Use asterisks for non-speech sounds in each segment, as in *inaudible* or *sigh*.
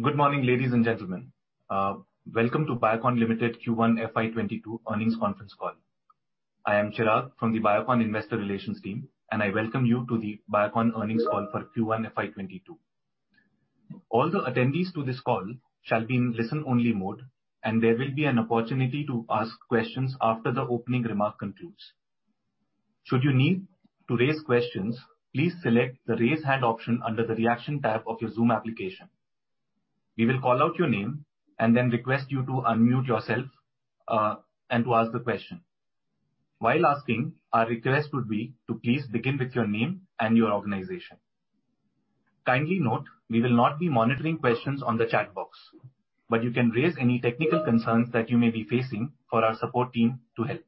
Good morning, ladies and gentlemen. Welcome to Biocon Limited Q1 FY 2022 earnings conference call. I am Chirag from the Biocon investor relations team, and I welcome you to the Biocon earnings call for Q1 FY 2022. All the attendees to this call shall be in listen-only mode, and there will be an opportunity to ask questions after the opening remark concludes. Should you need to raise questions, please select the Raise Hand option under the Reaction tab of your Zoom application. We will call out your name and then request you to unmute yourself, and to ask the question. While asking, our request would be to please begin with your name and your organization. Kindly note, we will not be monitoring questions on the chat box, but you can raise any technical concerns that you may be facing for our support team to help.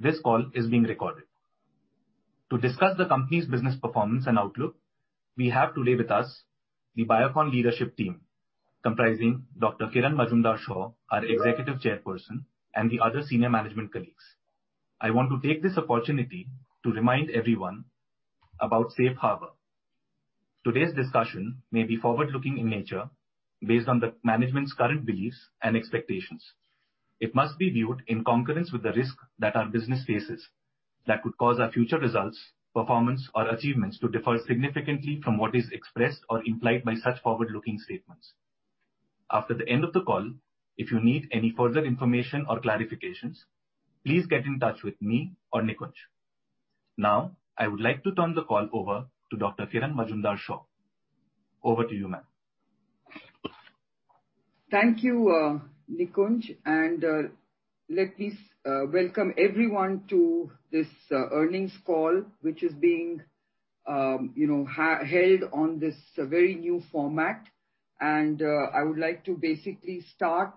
This call is being recorded. To discuss the company's business performance and outlook, we have today with us the Biocon leadership team, comprising Dr. Kiran Mazumdar-Shaw, our Executive Chairperson, and the other senior management colleagues. I want to take this opportunity to remind everyone about Safe Harbor. Today's discussion may be forward-looking in nature based on the management's current beliefs and expectations. It must be viewed in concurrence with the risk that our business faces that could cause our future results, performance, or achievements to differ significantly from what is expressed or implied by such forward-looking statements. After the end of the call, if you need any further information or clarifications, please get in touch with me or Nikunj. I would like to turn the call over to Dr. Kiran Mazumdar-Shaw. Over to you, ma'am. Thank you, Nikunj. Let me welcome everyone to this earnings call, which is being held on this very new format. I would like to basically start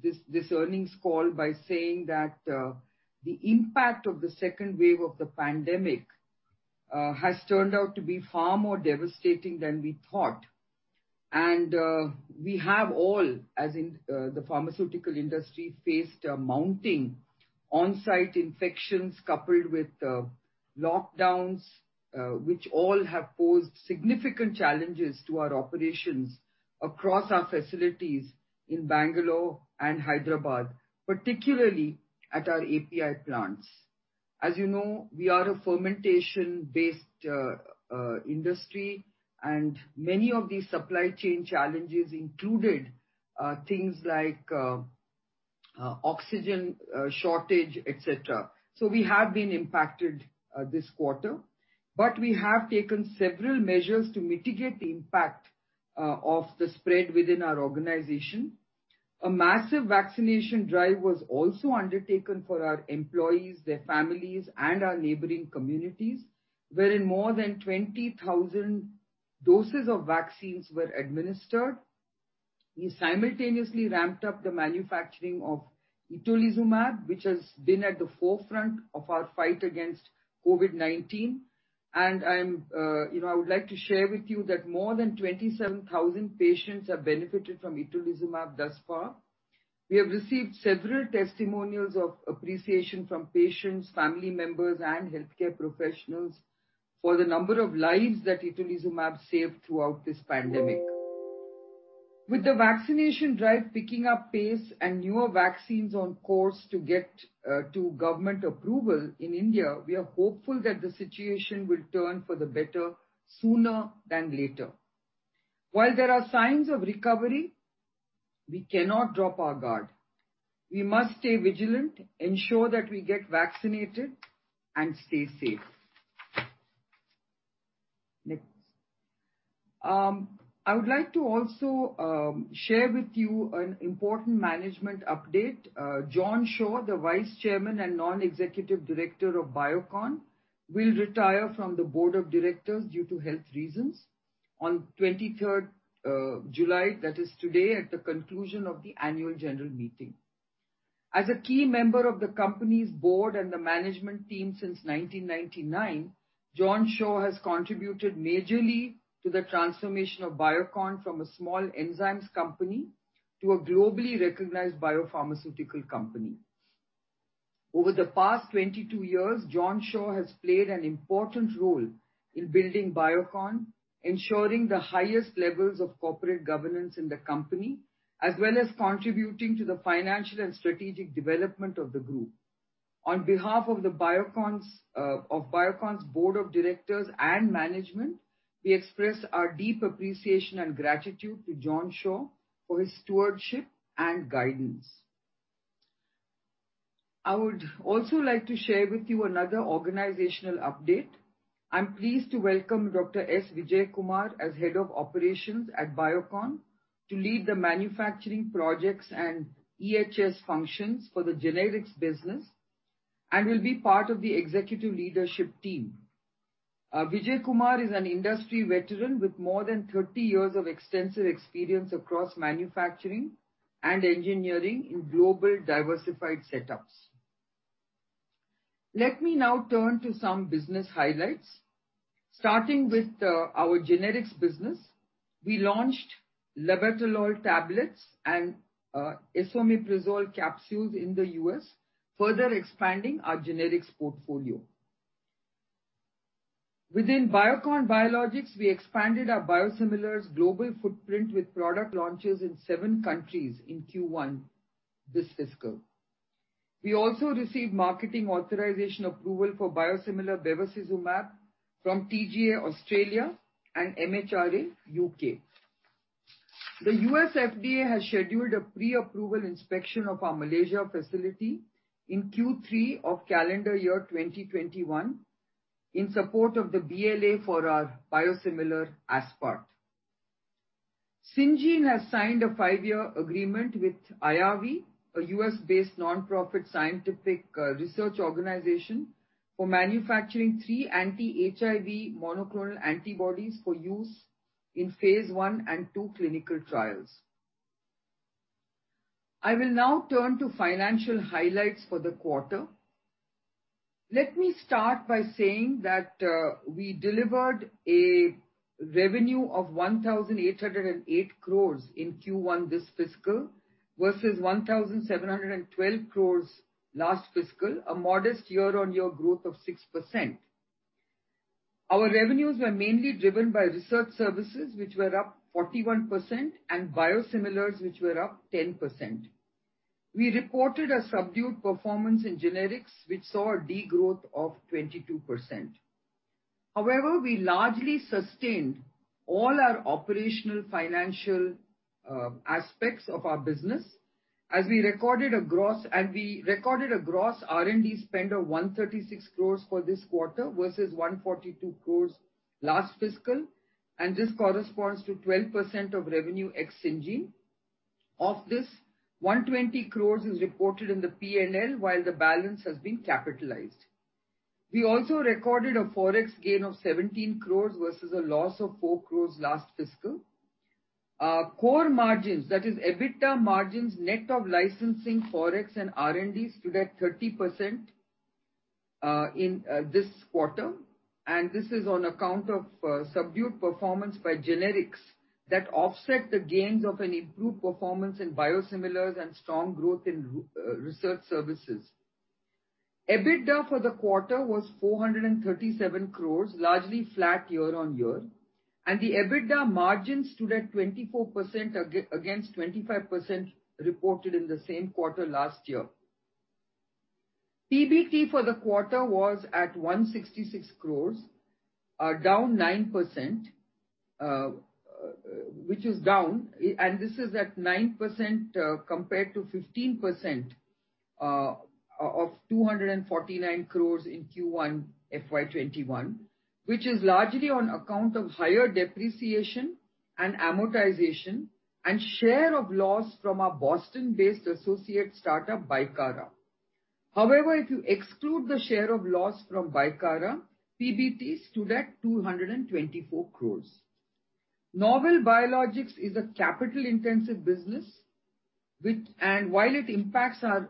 this earnings call by saying that the impact of the second wave of the pandemic has turned out to be far more devastating than we thought. We have all, as in the pharmaceutical industry, faced mounting on-site infections coupled with lockdowns, which all have posed significant challenges to our operations across our facilities in Bangalore and Hyderabad, particularly at our API plants. As you know, we are a fermentation-based industry, and many of these supply chain challenges included things like oxygen shortage, et cetera. We have been impacted this quarter, but we have taken several measures to mitigate the impact of the spread within our organization. A massive vaccination drive was also undertaken for our employees, their families, and our neighboring communities, wherein more than 20,000 doses of vaccines were administered. We simultaneously ramped up the manufacturing of itolizumab, which has been at the forefront of our fight against COVID-19, I would like to share with you that more than 27,000 patients have benefited from itolizumab thus far. We have received several testimonials of appreciation from patients, family members, and healthcare professionals for the number of lives that itolizumab saved throughout this pandemic. With the vaccination drive picking up pace and newer vaccines on course to get to government approval in India, we are hopeful that the situation will turn for the better sooner than later. While there are signs of recovery, we cannot drop our guard. We must stay vigilant, ensure that we get vaccinated, and stay safe. I would like to also share with you an important management update. John Shaw, the Vice Chairman and Non-Executive Director of Biocon, will retire from the Board of Directors due to health reasons on 23rd July. That is today, at the conclusion of the Annual General Meeting. As a key member of the company's board and the management team since 1999, John Shaw has contributed majorly to the transformation of Biocon from a small enzymes company to a globally recognized biopharmaceutical company. Over the past 22 years, John Shaw has played an important role in building Biocon, ensuring the highest levels of corporate governance in the company, as well as contributing to the financial and strategic development of the Group. On behalf of Biocon's board of directors and management, we express our deep appreciation and gratitude to John Shaw for his stewardship and guidance. I would also like to share with you another organizational update. I'm pleased to welcome Dr. S. Vijaya Kumar as Head of Operations at Biocon to lead the manufacturing projects and EHS functions for the generics business and will be part of the executive leadership team. Vijaya Kumar is an industry veteran with more than 30 years of extensive experience across manufacturing and engineering in global diversified setups. Let me now turn to some business highlights, starting with our generics business. We launched labetalol tablets and esomeprazole capsules in the U.S., further expanding our generics portfolio. Within Biocon Biologics, we expanded our biosimilars global footprint with product launches in seven countries in Q1 this fiscal. We also received marketing authorization approval for biosimilar bevacizumab from TGA, Australia, and MHRA, U.K. The U.S. FDA has scheduled a pre-approval inspection of our Malaysia facility in Q3 of calendar year 2021, in support of the BLA for our biosimilar aspart. Syngene has signed a five-year agreement with IAVI, a U.S.-based non-profit scientific research organization, for manufacturing three anti-HIV monoclonal antibodies for use in phase I and II clinical trials. I will now turn to financial highlights for the quarter. Let me start by saying that we delivered a revenue of 1,808 crore in Q1 this fiscal, versus 1,712 crore last fiscal. A modest year-on-year growth of 6%. Our revenues were mainly driven by research services, which were up 41%, and biosimilars, which were up 10%. We reported a subdued performance in generics, which saw a degrowth of 22%. We largely sustained all our operational financial aspects of our business as we recorded a gross R&D spend of 136 crore for this quarter, versus 142 crore last fiscal, this corresponds to 12% of revenue ex Syngene. Of this, 120 crore is reported in the P&L, while the balance has been capitalized. We also recorded a Forex gain of 17 crore versus a loss of 4 crore last fiscal. Our core margins, that is EBITDA margins, net of licensing, Forex, and R&D, stood at 30% in this quarter, this is on account of subdued performance by generics that offset the gains of an improved performance in biosimilars and strong growth in research services. EBITDA for the quarter was 437 crore, largely flat year-on-year, the EBITDA margins stood at 24% against 25% reported in the same quarter last year. PBT for the quarter was at 166 crore, which is down, and this is at 9% compared to 15% of 249 crore in Q1 FY 2021, which is largely on account of higher depreciation and amortization and share of loss from our Boston-based associate start-up, Bicara. If you exclude the share of loss from Bicara, PBT stood at 224 crore. Novel Biologics is a capital-intensive business, and while it impacts our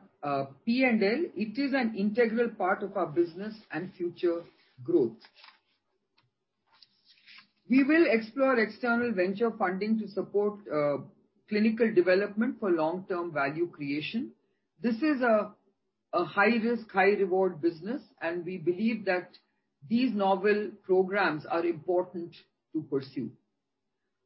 P&L, it is an integral part of our business and future growth. We will explore external venture funding to support clinical development for long-term value creation. This is a high-risk, high-reward business, and we believe that these novel programs are important to pursue.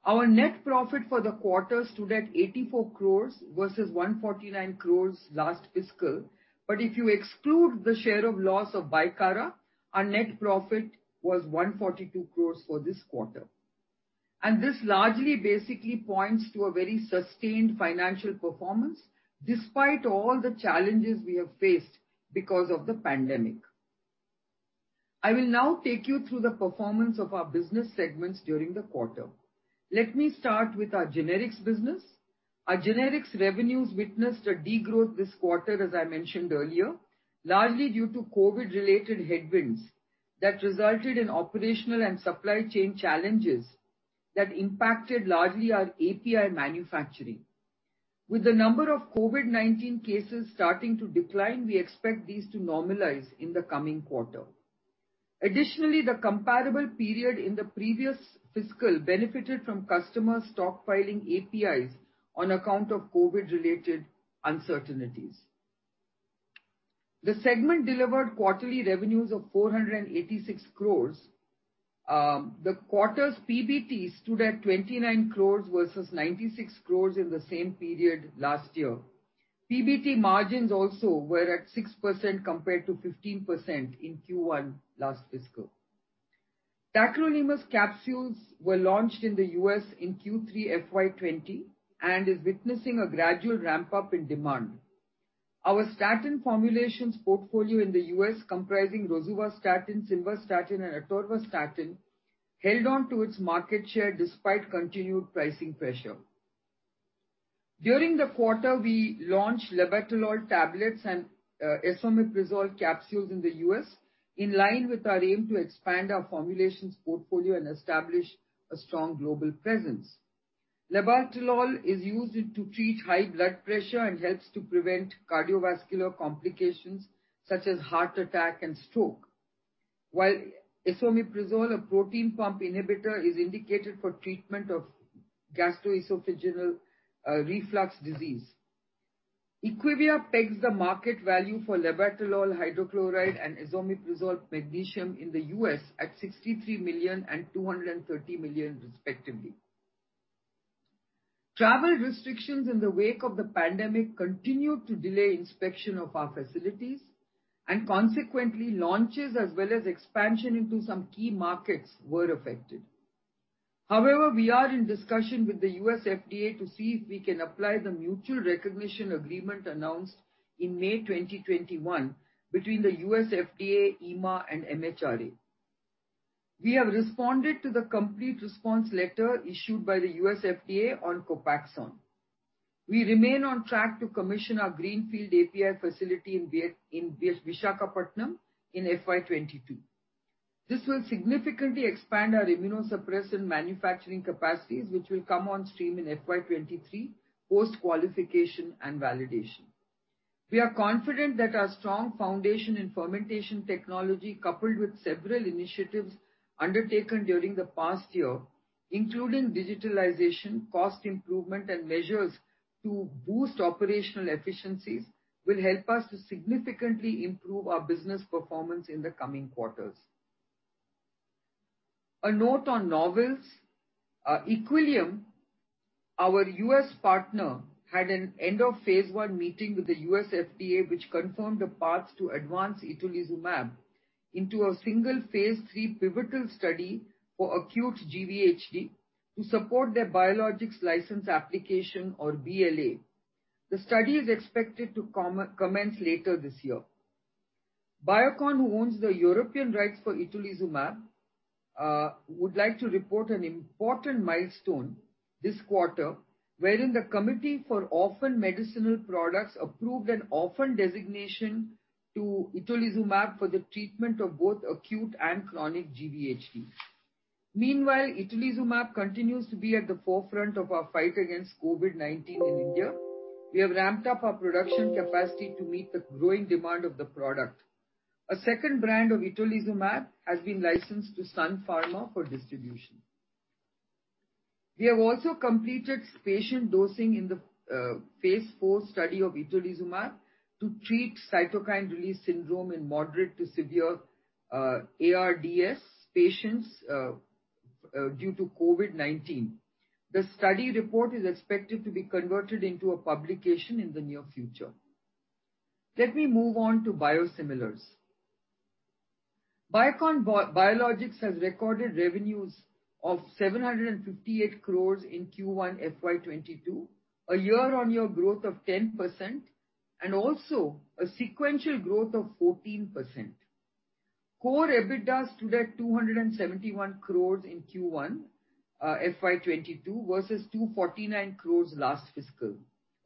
Our net profit for the quarter stood at 84 crore versus 149 crore last fiscal. If you exclude the share of loss of Bicara, our net profit was 142 crore for this quarter. This largely basically points to a very sustained financial performance despite all the challenges we have faced because of the pandemic. I will now take you through the performance of our business segments during the quarter. Let me start with our generics business. Our generics revenues witnessed a degrowth this quarter, as I mentioned earlier, largely due to COVID-related headwinds that resulted in operational and supply chain challenges that impacted largely our API manufacturing. With the number of COVID-19 cases starting to decline, we expect these to normalize in the coming quarter. Additionally, the comparable period in the previous fiscal benefited from customer stockpiling APIs on account of COVID-related uncertainties. The segment delivered quarterly revenues of 486 crore. The quarter's PBT stood at 29 crore versus 96 crore in the same period last year. PBT margins also were at 6% compared to 15% in Q1 last fiscal. Tacrolimus capsules were launched in the U.S. in Q3 FY 2020 and is witnessing a gradual ramp-up in demand. Our statin formulations portfolio in the U.S. comprising rosuvastatin, simvastatin, and atorvastatin, held on to its market share despite continued pricing pressure. During the quarter, we launched labetalol tablets and esomeprazole capsules in the U.S., in line with our aim to expand our formulations portfolio and establish a strong global presence. Labetalol is used to treat high blood pressure and helps to prevent cardiovascular complications such as heart attack and stroke. While esomeprazole, a proton pump inhibitor, is indicated for treatment of gastroesophageal reflux disease. IQVIA pegs the market value for labetalol hydrochloride and esomeprazole magnesium in the U.S. at 63 million and 230 million respectively. Travel restrictions in the wake of the pandemic continue to delay inspection of our facilities, and consequently, launches as well as expansion into some key markets were affected. However, we are in discussion with the U.S. FDA to see if we can apply the mutual recognition agreement announced in May 2021 between the U.S. FDA, EMA and MHRA. We have responded to the complete response letter issued by the U.S. FDA on COPAXONE. We remain on track to commission our greenfield API facility in Visakhapatnam in FY 2022. This will significantly expand our immunosuppressant manufacturing capacities, which will come on stream in FY 2023 post qualification and validation. We are confident that our strong foundation in fermentation technology, coupled with several initiatives undertaken during the past year, including digitalization, cost improvement and measures to boost operational efficiencies, will help us to significantly improve our business performance in the coming quarters. A note on novels. Equillium, our U.S. partner, had an end of phase I meeting with the U.S. FDA which confirmed the path to advance itolizumab into a single phase III pivotal study for acute GVHD to support their biologics license application or BLA. The study is expected to commence later this year. Biocon, who owns the European rights for itolizumab, would like to report an important milestone this quarter, wherein the Committee for Orphan Medicinal Products approved an orphan designation to itolizumab for the treatment of both acute and chronic GVHD. Meanwhile, itolizumab continues to be at the forefront of our fight against COVID-19 in India. We have ramped up our production capacity to meet the growing demand of the product. A second brand of itolizumab has been licensed to Sun Pharma for distribution. We have also completed patient dosing in the phase IV study of itolizumab to treat cytokine release syndrome in moderate to severe ARDS patients due to COVID-19. The study report is expected to be converted into a publication in the near future. Let me move on to biosimilars. Biocon Biologics has recorded revenues of 758 crore in Q1 FY 2022, a year-over-year growth of 10%. Also a sequential growth of 14%. Core EBITDA stood at 271 crore in Q1 FY 2022 versus 249 crore last fiscal.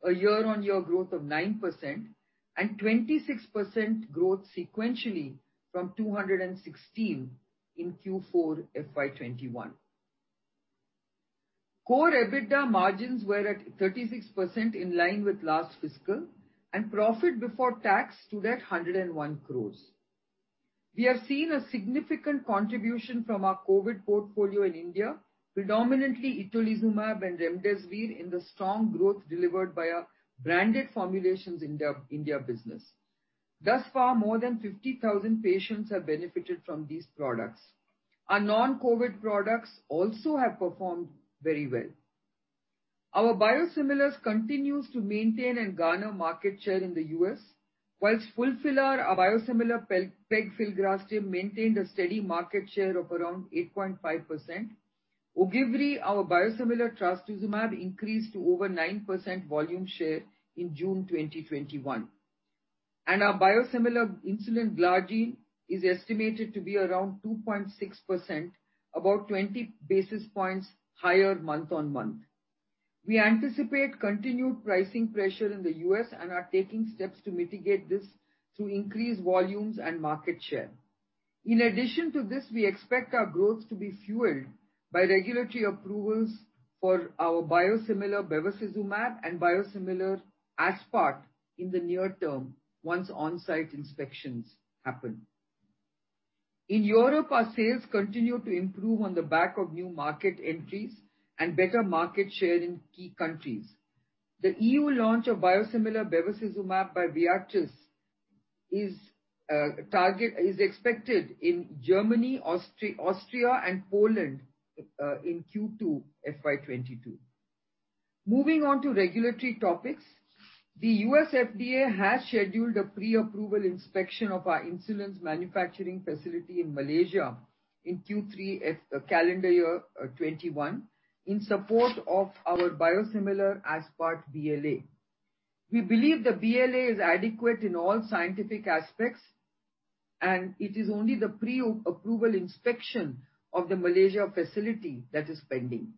A year-over-year growth of 9% and 26% growth sequentially from 216 in Q4 FY 2021. Core EBITDA margins were at 36% in line with last fiscal. Profit before tax stood at 101 crore. We have seen a significant contribution from our COVID portfolio in India, predominantly itolizumab and remdesivir, in the strong growth delivered by our branded formulations India business. Thus far, more than 50,000 patients have benefited from these products. Our non-COVID products also have performed very well. Our biosimilars continues to maintain and garner market share in the U.S. FULPHILA, our biosimilar pegfilgrastim, maintained a steady market share of around 8.5%. OGIVRI, our biosimilar trastuzumab, increased to over 9% volume share in June 2021. Our biosimilar insulin glargine is estimated to be around 2.6%, about 20 basis points higher month-on-month. We anticipate continued pricing pressure in the U.S. and are taking steps to mitigate this through increased volumes and market share. In addition to this, we expect our growth to be fueled by regulatory approvals for our biosimilar bevacizumab and biosimilar aspart in the near term once onsite inspections happen. In Europe, our sales continue to improve on the back of new market entries and better market share in key countries. The EU launch of biosimilar bevacizumab by Viatris is expected in Germany, Austria and Poland in Q2 FY 2022. Moving on to regulatory topics. The U.S. FDA has scheduled a pre-approval inspection of our insulins manufacturing facility in Malaysia in Q3 calendar year 2021 in support of our biosimilar insulin aspart BLA. We believe the BLA is adequate in all scientific aspects, and it is only the pre-approval inspection of the Malaysia facility that is pending.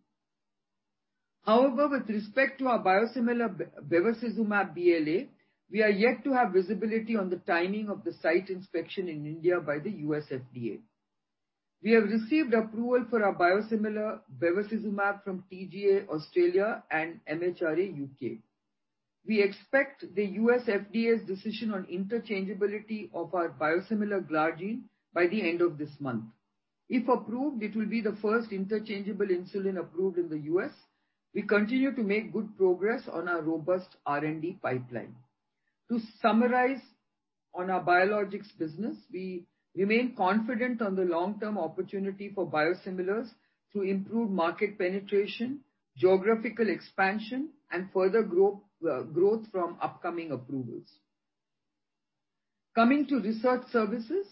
However, with respect to our biosimilar bevacizumab BLA, we are yet to have visibility on the timing of the site inspection in India by the U.S. FDA. We have received approval for our biosimilar bevacizumab from TGA, Australia and MHRA, U.K. We expect the U.S. FDA's decision on interchangeability of our biosimilar glargine by the end of this month. If approved, it will be the first interchangeable insulin approved in the U.S. We continue to make good progress on our robust R&D pipeline. To summarize on our biologics business, we remain confident on the long-term opportunity for biosimilars to improve market penetration, geographical expansion and further growth from upcoming approvals. Coming to research services.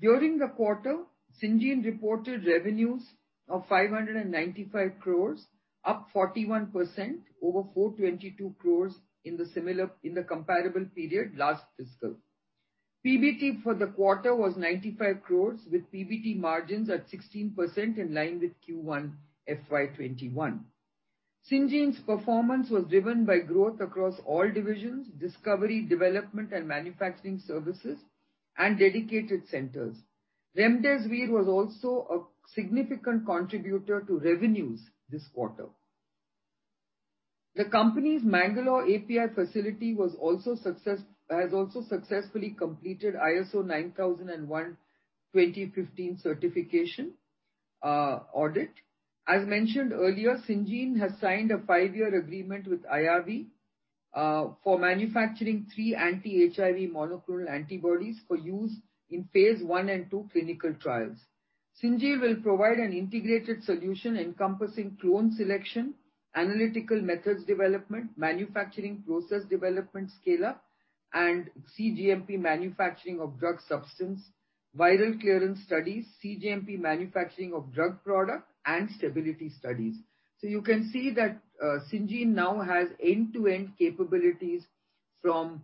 During the quarter, Syngene reported revenues of 595 crore, up 41% over 422 crore in the comparable period last fiscal. PBT for the quarter was 95 crore with PBT margins at 16% in line with Q1 FY 2021. Syngene's performance was driven by growth across all divisions, discovery, development and manufacturing services and dedicated centers. Remdesivir was also a significant contributor to revenues this quarter. The company's Mangalore API facility has also successfully completed ISO 9001:2015 certification audit. As mentioned earlier, Syngene has signed a five-year agreement with IAVI for manufacturing three anti-HIV monoclonal antibodies for use in phase I and II clinical trials. Syngene will provide an integrated solution encompassing clone selection, analytical methods development, manufacturing process development scale-up, and cGMP manufacturing of drug substance, viral clearance studies, cGMP manufacturing of drug product and stability studies. You can see that Syngene now has end-to-end capabilities from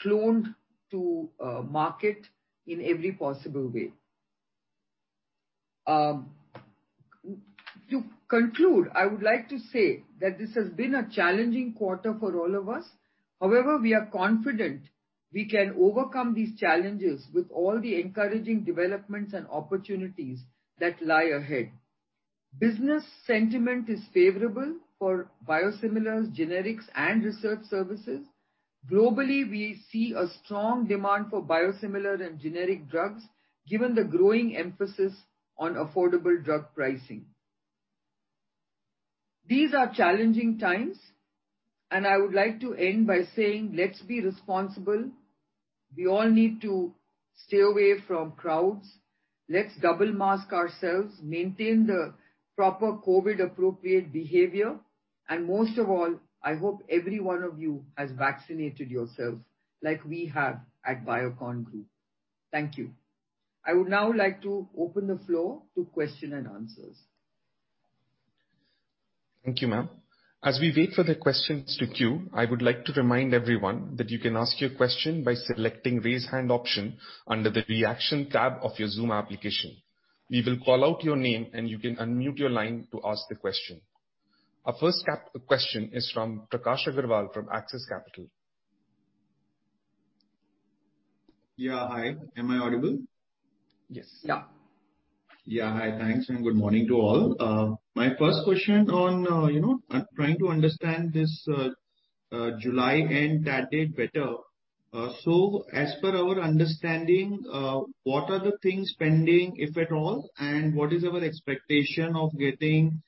clone to market in every possible way. To conclude, I would like to say that this has been a challenging quarter for all of us. However, we are confident we can overcome these challenges with all the encouraging developments and opportunities that lie ahead. Business sentiment is favorable for biosimilars, generics, and research services. Globally, we see a strong demand for biosimilar and generic drugs, given the growing emphasis on affordable drug pricing. These are challenging times, and I would like to end by saying let's be responsible. We all need to stay away from crowds. Let's double mask ourselves, maintain the proper COVID appropriate behavior, and most of all, I hope every one of you has vaccinated yourself like we have at Biocon Group. Thank you. I would now like to open the floor to Q&A. Thank you, ma'am. As we wait for the questions to queue, I would like to remind everyone that you can ask your question by selecting Raise Hand option under the Reaction tab of your Zoom application. We will call out your name and you can unmute your line to ask the question. Our first question is from Prakash Agarwal, from Axis Capital. Yeah. Hi. Am I audible? Yes. Yeah. Hi. Thanks. Good morning to all. My first question. I'm trying to understand this July-end, that date better. As per our understanding, what are the things pending, if at all, and what is our expectation of getting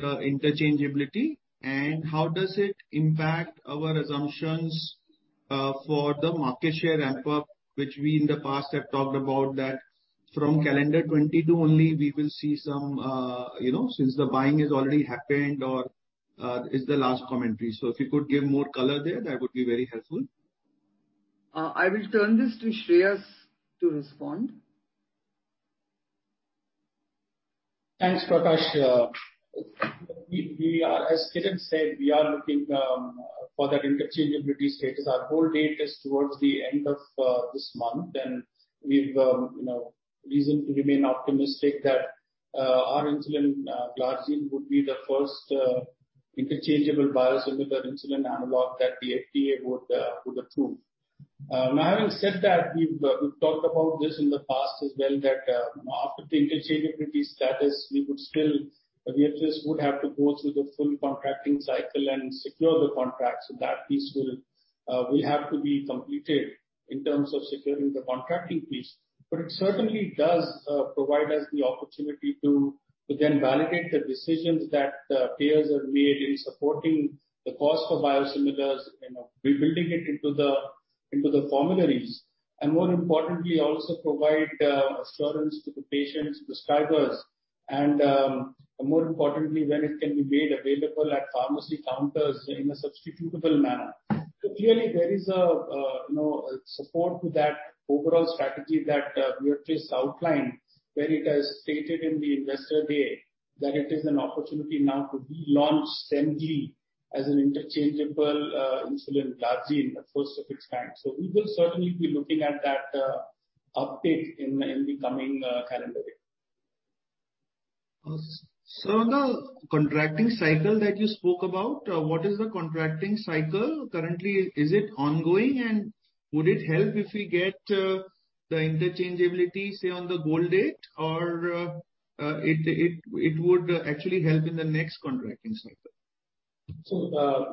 interchangeability and how does it impact our assumptions for the market share ramp-up, which we in the past have talked about that from calendar 2022 only we will see some, since the buying is already happened or is the last commentary. If you could give more color there, that would be very helpful. I will turn this to Shreehas to respond. Thanks, Prakash. As Kiran said, we are looking for that interchangeability status. Our goal date is towards the end of this month, and we've reason to remain optimistic that our insulin glargine would be the first interchangeable biosimilar insulin analog that the FDA would approve. Now, having said that, we've talked about this in the past as well, that after the interchangeability status, we would still have to go through the full contracting cycle and secure the contracts. That piece will have to be completed in terms of securing the contracting piece. It certainly does provide us the opportunity to then validate the decisions that payers have made in supporting the cost for biosimilars, rebuilding it into the formularies. More importantly, also provide assurance to the patients, prescribers, and more importantly, when it can be made available at pharmacy counters in a substitutable manner. Clearly there is a support to that overall strategy that we at least outlined where it has stated in the Investor Day that it is an opportunity now to relaunch SEMGLEE as an interchangeable insulin glargine, the first of its kind. We will certainly be looking at that uptake in the coming calendar year. The contracting cycle that you spoke about, what is the contracting cycle currently? Is it ongoing and would it help if we get the interchangeability, say, on the goal date? Or it would actually help in the next contracting cycle?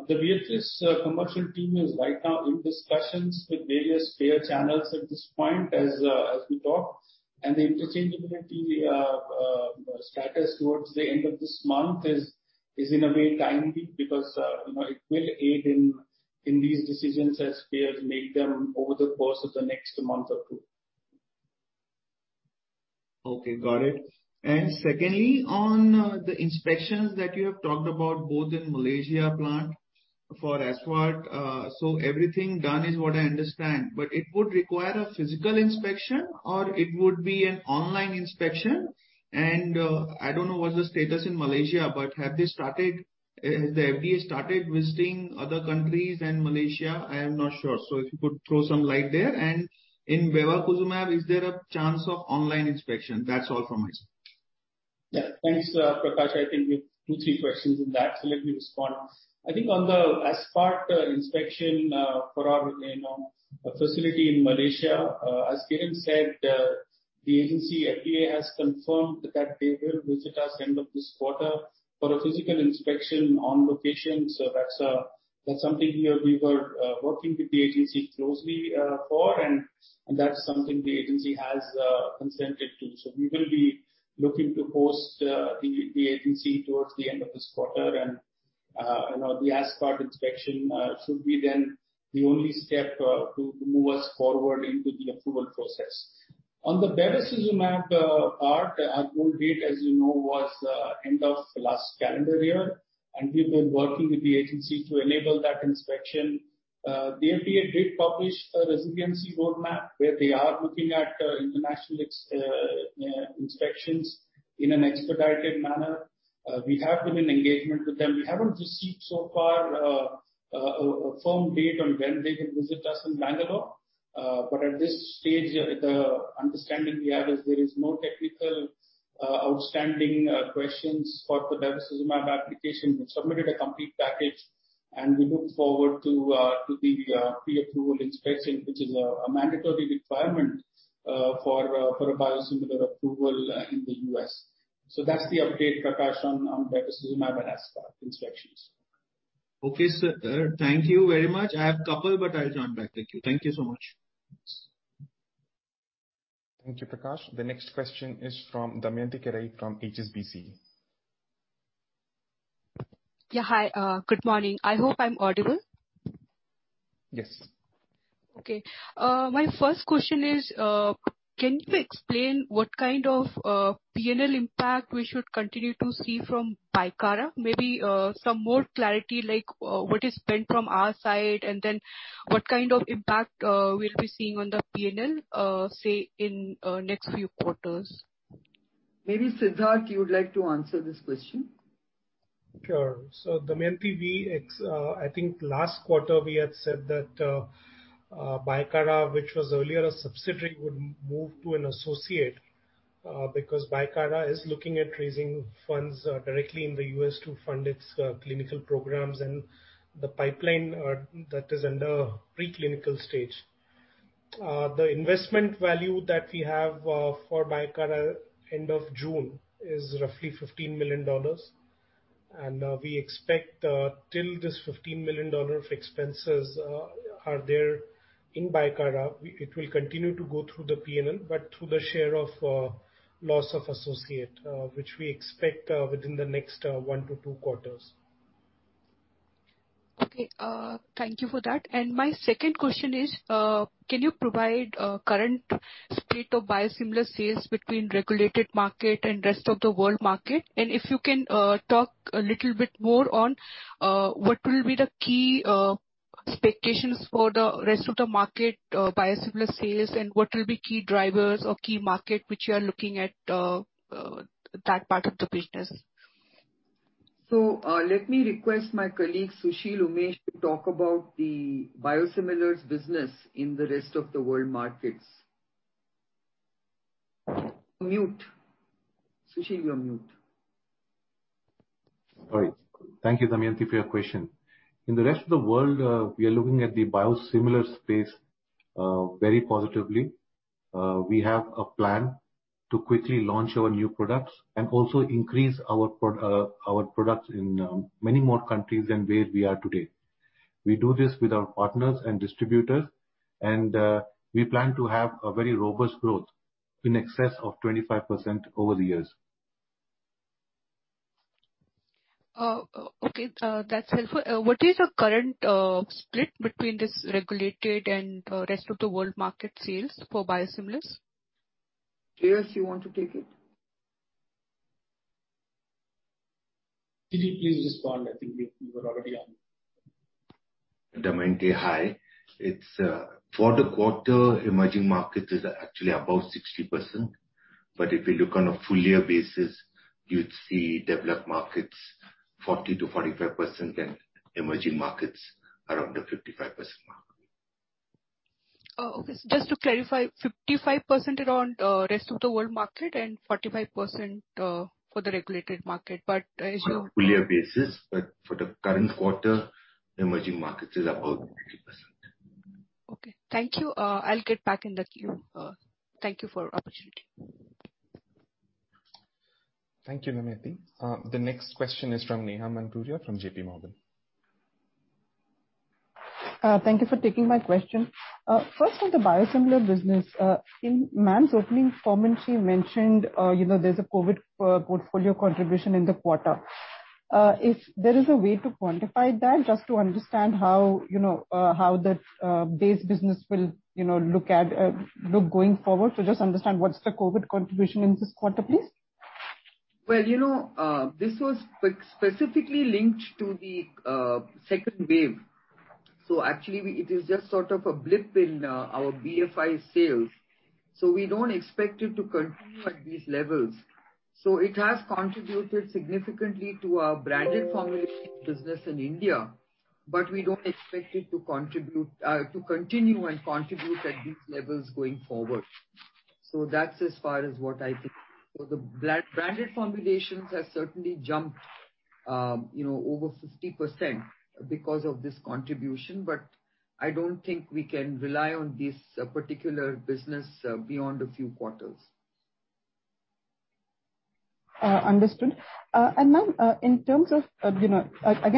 The Viatris commercial team is right now in discussions with various payer channels at this point as we talk, and the interchangeability status towards the end of this month is in a way timely because it will aid in these decisions as payers make them over the course of the next month or two. Okay, got it. Secondly, on the inspections that you have talked about both in Malaysia plant for aspart, everything done is what I understand, but it would require a physical inspection or it would be an online inspection? I don't know what's the status in Malaysia, but have they started, has the FDA started visiting other countries and Malaysia? I am not sure. If you could throw some light there. In bevacizumab, is there a chance of online inspection? That's all from my side. Yeah, thanks, Prakash. I think you have two, three questions in that, let me respond. I think on the insulin aspart inspection for our facility in Malaysia, as Kiran said, the agency FDA has confirmed that they will visit us end of this quarter for a physical inspection on location. That's something we were working with the agency closely for and that's something the agency has consented to. We will be looking to host the agency towards the end of this quarter and the aspart inspection should be then the only step to move us forward into the approval process. On the bevacizumab part, our goal date, as you know, was end of last calendar year and we've been working with the agency to enable that inspection. The FDA did publish a resiliency roadmap where they are looking at international inspections in an expedited manner. We have been in engagement with them. We haven't received so far a firm date on when they can visit us in Bangalore. At this stage, the understanding we have is there is no technical outstanding questions for the bevacizumab application. We've submitted a complete package and we look forward to the pre-approval inspection, which is a mandatory requirement for a biosimilar approval in the U.S. That's the update, Prakash, on bevacizumab and aspart inspections. Okay, sir. Thank you very much. I have couple, but I'll join back the queue. Thank you so much. Thank you, Prakash. The next question is from Damayanti Kerai from HSBC. Yeah, hi. Good morning. I hope I'm audible. Yes. Okay. My first question is, can you explain what kind of P&L impact we should continue to see from Bicara? Maybe some more clarity like what is spent from our side and then what kind of impact we'll be seeing on the P&L, say in next few quarters. Maybe Siddharth, you would like to answer this question. Sure. Damayanti, I think last quarter we had said that Bicara, which was earlier a subsidiary would move to an associate because Bicara is looking at raising funds directly in the U.S. to fund its clinical programs and the pipeline that is under preclinical stage. The investment value that we have for Bicara end of June is roughly $15 million. We expect till this $15 million of expenses are there in Bicara, it will continue to go through the P&L, but through the share of loss of associate, which we expect within the next one to two quarters. Okay. Thank you for that. My second question is, can you provide current state of biosimilar sales between regulated market and rest of the world market? If you can talk a little bit more on what will be the key expectations for the rest of the market biosimilar sales and what will be key drivers or key market which you are looking at that part of the business? Let me request my colleague, Susheel Umesh to talk about the biosimilars business in the rest of the world markets. Mute. Susheel, you're mute. Sorry. Thank you, Damayanti, for your question. In the rest of the world, we are looking at the biosimilar space very positively. We have a plan to quickly launch our new products and also increase our products in many more countries than where we are today. We do this with our partners and distributors. We plan to have a very robust growth in excess of 25% over the years. Okay. That's helpful. What is your current split between this regulated and rest of the world market sales for biosimilars? Shreehas, do you want to take it? Please respond. I think you were already unmuted. Damayanti, hi. For the quarter, emerging market is actually above 60%, but if you look on a full year basis, you'd see developed markets 40%-45% and emerging markets around the 55% mark. Oh, okay. Just to clarify, 55% around rest of the world market and 45% for the regulated market. On a full year basis. For the current quarter, emerging markets is above 50%. Okay. Thank you. I'll get back in the queue. Thank you for the opportunity. Thank you, Damayanti. The next question is from Neha Manpuria from JPMorgan. Thank you for taking my question. First, on the biosimilar business. In ma'am's opening comment, she mentioned there's a COVID portfolio contribution in the quarter. Is there a way to quantify that, just to understand how the base business will look going forward? Just understand what's the COVID contribution in this quarter, please. Well, this was specifically linked to the second wave. Actually, it is just sort of a blip in our BFI sales. We don't expect it to continue at these levels. It has contributed significantly to our branded formulation business in India, but we don't expect it to continue and contribute at these levels going forward. That's as far as what I think. The branded formulations have certainly jumped over 50% because of this contribution, but I don't think we can rely on this particular business beyond a few quarters. Understood. Ma'am, in terms of, again,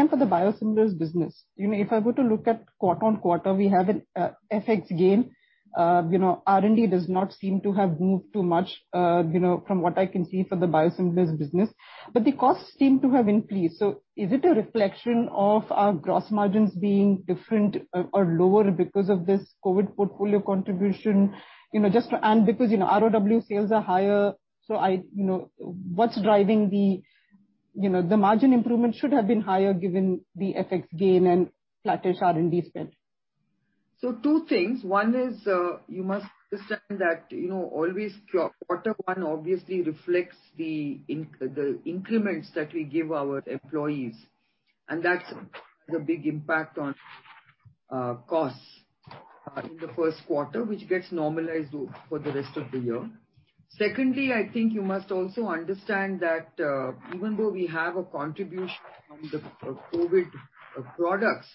for the biosimilars business, if I were to look at quarter-on-quarter, we have a FX gain. R&D does not seem to have moved too much, from what I can see for the biosimilars business. The costs seem to have increased. Is it a reflection of gross margins being different or lower because of this COVID portfolio contribution? Because ROW sales are higher. What's driving the margin improvement should have been higher given the FX gain and flattish R&D spend. Two things. One is, you must understand that always quarter one obviously reflects the increments that we give our employees, and that's the big impact on costs in the first quarter, which gets normalized for the rest of the year. Secondly, I think you must also understand that even though we have a contribution from the COVID products,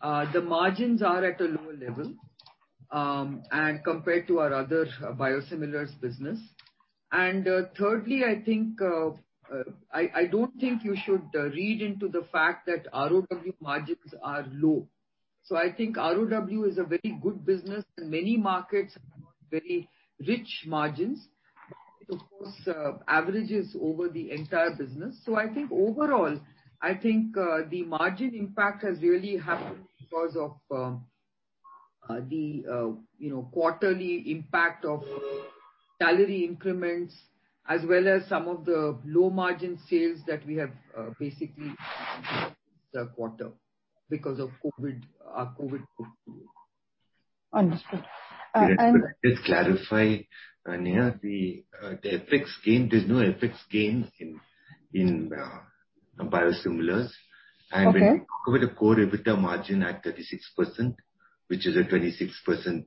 the margins are at a lower level compared to our other biosimilars business. Thirdly, I don't think you should read into the fact that ROW margins are low. I think ROW is a very good business in many markets on very rich margins. Of course, averages over the entire business. Overall, I think the margin impact has really happened because of the quarterly impact of salary increments, as well as some of the low-margin sales that we have basically this quarter because of our COVID portfolio. Understood. Just to clarify, Neha. The FX gain, there's no FX gain in biosimilars. Okay. With the core EBITDA margin at 36%, which is a 26%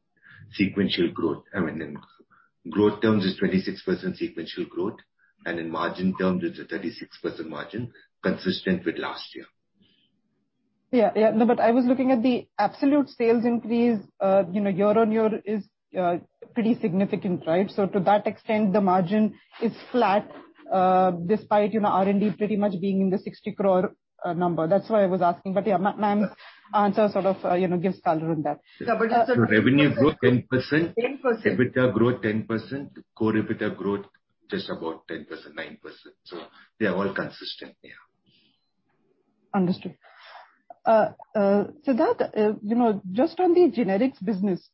sequential growth. I mean, in growth terms is 26% sequential growth, and in margin terms, it's a 36% margin consistent with last year. I was looking at the absolute sales increase year-on-year is pretty significant, right? To that extent, the margin is flat, despite R&D pretty much being in the 60 crore number. That's why I was asking. Ma'am's answer sort of gives color on that. Revenue grew 10%. EBITDA grew 10%. Core EBITDA growth, just about 10%, 9%. They are all consistent, yeah. Understood. Siddharth, just on the generics business.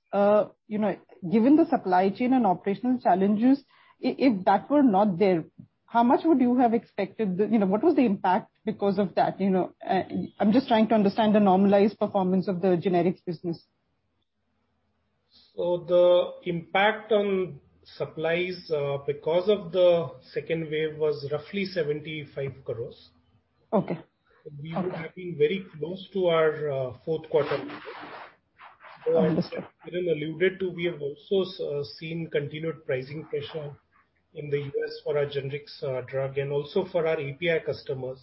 Given the supply chain and operational challenges, if that were not there, what was the impact because of that? I'm just trying to understand the normalized performance of the generics business. The impact on supplies because of the second wave was roughly 75 crore. Okay. We would have been very close to our fourth quarter. Understood. Kiran alluded to, we have also seen continued pricing pressure in the U.S. for our generic drug and also for our API customers.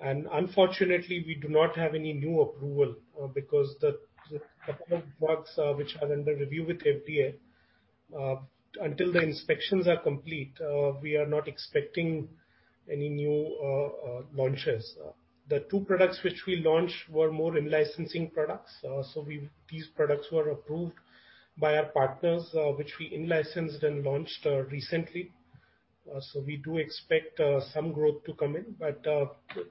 Unfortunately, we do not have any new approval because the current works which are under review with FDA, until the inspections are complete, we are not expecting any new launches. The two products which we launched were more in-licensing products. These products were approved by our partners, which we in-licensed and launched recently. We do expect some growth to come in.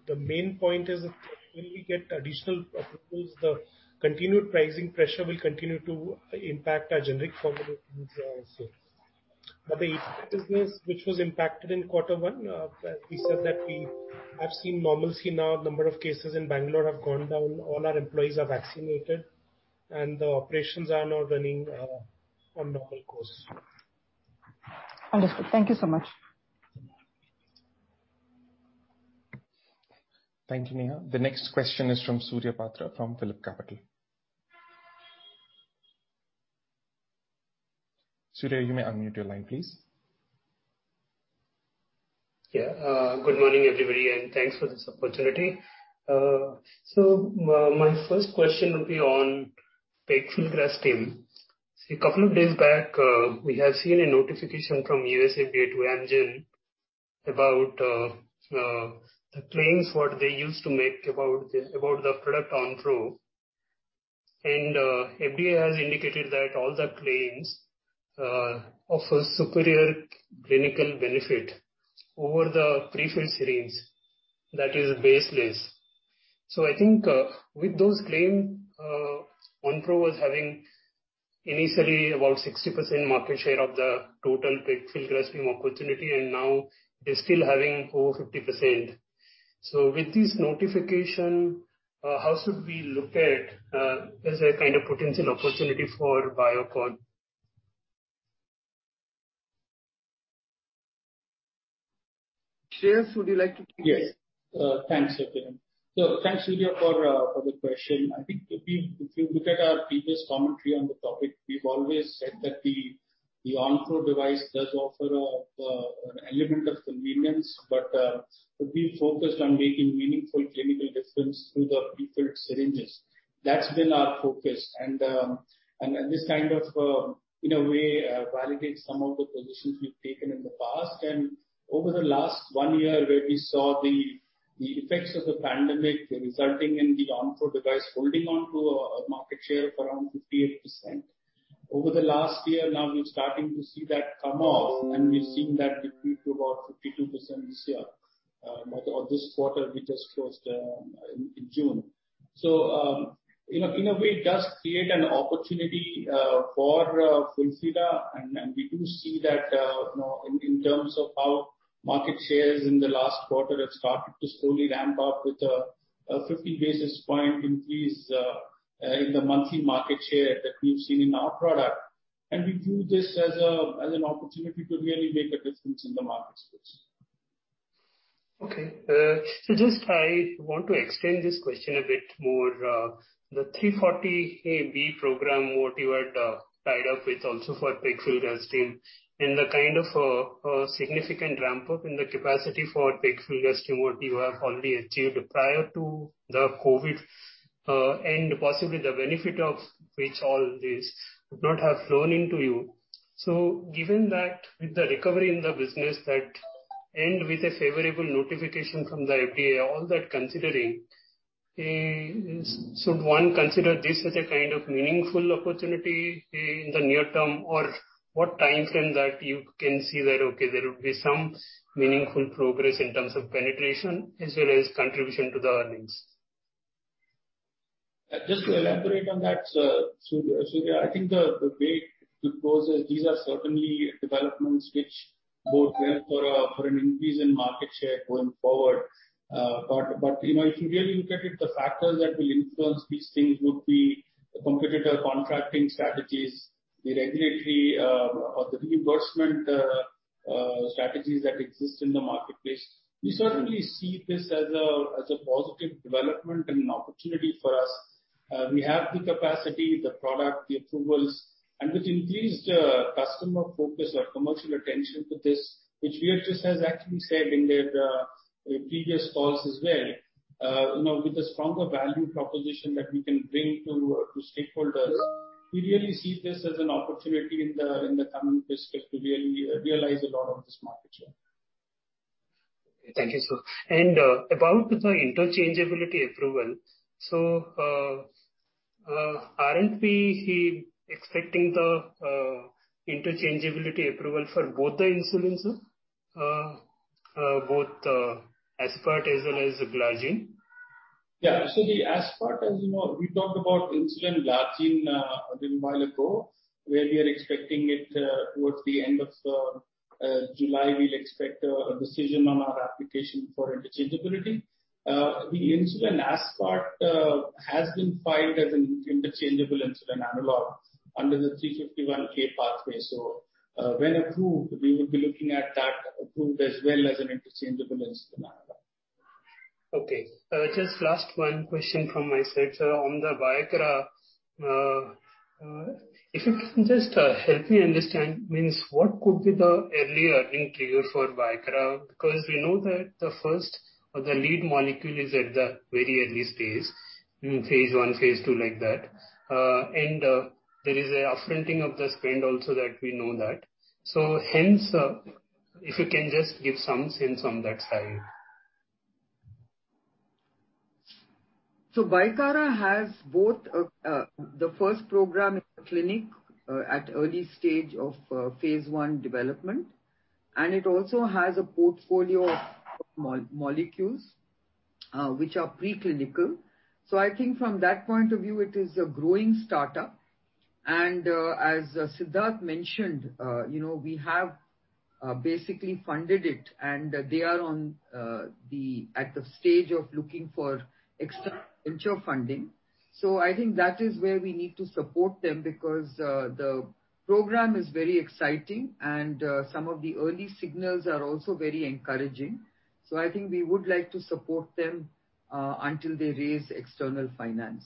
The main point is that when we get additional approvals, the continued pricing pressure will continue to impact our generic formulations sales. The API business, which was impacted in Q1, we said that we have seen normalcy now. Number of cases in Bangalore have gone down. All our employees are vaccinated, and the operations are now running on normal course. Understood. Thank you so much. Thank you, Neha. The next question is from Surya Patra of Phillip Capital. Surya, you may unmute your line, please. Yeah. Good morning, everybody, and thanks for this opportunity. My first question would be on pegfilgrastim. A couple of days back, we have seen a notification from U.S. FDA to Amgen about the claims what they used to make about the product Onpro. FDA has indicated that all the claims of a superior clinical benefit over the prefilled syringes, that is baseless. I think with those claim, Onpro was having initially about 60% market share of the total prefilled pegfilgrastim opportunity, and now they're still having over 50%. With this notification, how should we look at as a kind of potential opportunity for Biocon? Shreehas, would you like to take this? Yes. Thanks, Kiran. Thanks, Surya, for the question. I think if you look at our previous commentary on the topic, we've always said that the Onpro device does offer an element of convenience, but we're focused on making meaningful clinical difference through the prefilled syringes. That's been our focus, and this kind of, in a way, validates some of the positions we've taken in the past and over the last one year, where we saw the effects of the pandemic resulting in the Onpro device holding on to a market share of around 58%. Over the last year now, we're starting to see that come off, and we're seeing that deplete to about 52% this year or this quarter we just closed in June. In a way, it does create an opportunity for FULPHILA, and we do see that in terms of how market shares in the last quarter have started to slowly ramp up with a 50 basis points increase in the monthly market share that we've seen in our product. We view this as an opportunity to really make a difference in the market space. Okay. Just I want to extend this question a bit more. The 340B program, what you had tied up with also for prefilled pegfilgrastim and the kind of significant ramp-up in the capacity for pegfilgrastim, what you have already achieved prior to the COVID, and possibly the benefit of which all this would not have flown into you. Given that with the recovery in the business that end with a favorable notification from the FDA, all that considering, should one consider this as a kind of meaningful opportunity in the near term? What timeframe that you can see that, okay, there will be some meaningful progress in terms of penetration as well as contribution to the earnings? Just to elaborate on that, Surya. I think the way to pose is these are certainly developments which bode well for an increase in market share going forward. If you really look at it, the factors that will influence these things would be the competitor contracting strategies, the regulatory or the reimbursement strategies that exist in the marketplace. We certainly see this as a positive development and an opportunity for us. We have the capacity, the product, the approvals, and with increased customer focus or commercial attention to this, which we have just as actually said in the previous calls as well, with a stronger value proposition that we can bring to stakeholders, we really see this as an opportunity in the coming fiscal to really realize a lot of this market share. Thank you, sir. About the interchangeability approval, aren't we expecting the interchangeability approval for both the insulins, both insulin aspart as well as insulin glargine? The aspart, as you know, we talked about insulin glargine a little while ago, where we are expecting it towards the end of July, we'll expect a decision on our application for interchangeability. The insulin aspart has been filed as an interchangeable insulin analog under the 351(k) pathway. When approved, we would be looking at that approved as well as an interchangeable insulin analog. Okay. Just last one question from my side, sir. On the Bicara, if you can just help me understand, means what could be the early earning trigger for Bicara? We know that the first or the lead molecule is at the very early stage, in phase I, phase II, like that. There is a upfronting of the spend also that we know that. Hence, if you can just give some sense on that side. Bicara has both the first program in the clinic at early stage of phase I development, and it also has a portfolio of molecules which are preclinical. I think from that point of view, it is a growing startup. As Siddharth mentioned, we have basically funded it, and they are at the stage of looking for external funding. I think that is where we need to support them because the program is very exciting and some of the early signals are also very encouraging. I think we would like to support them until they raise external finance.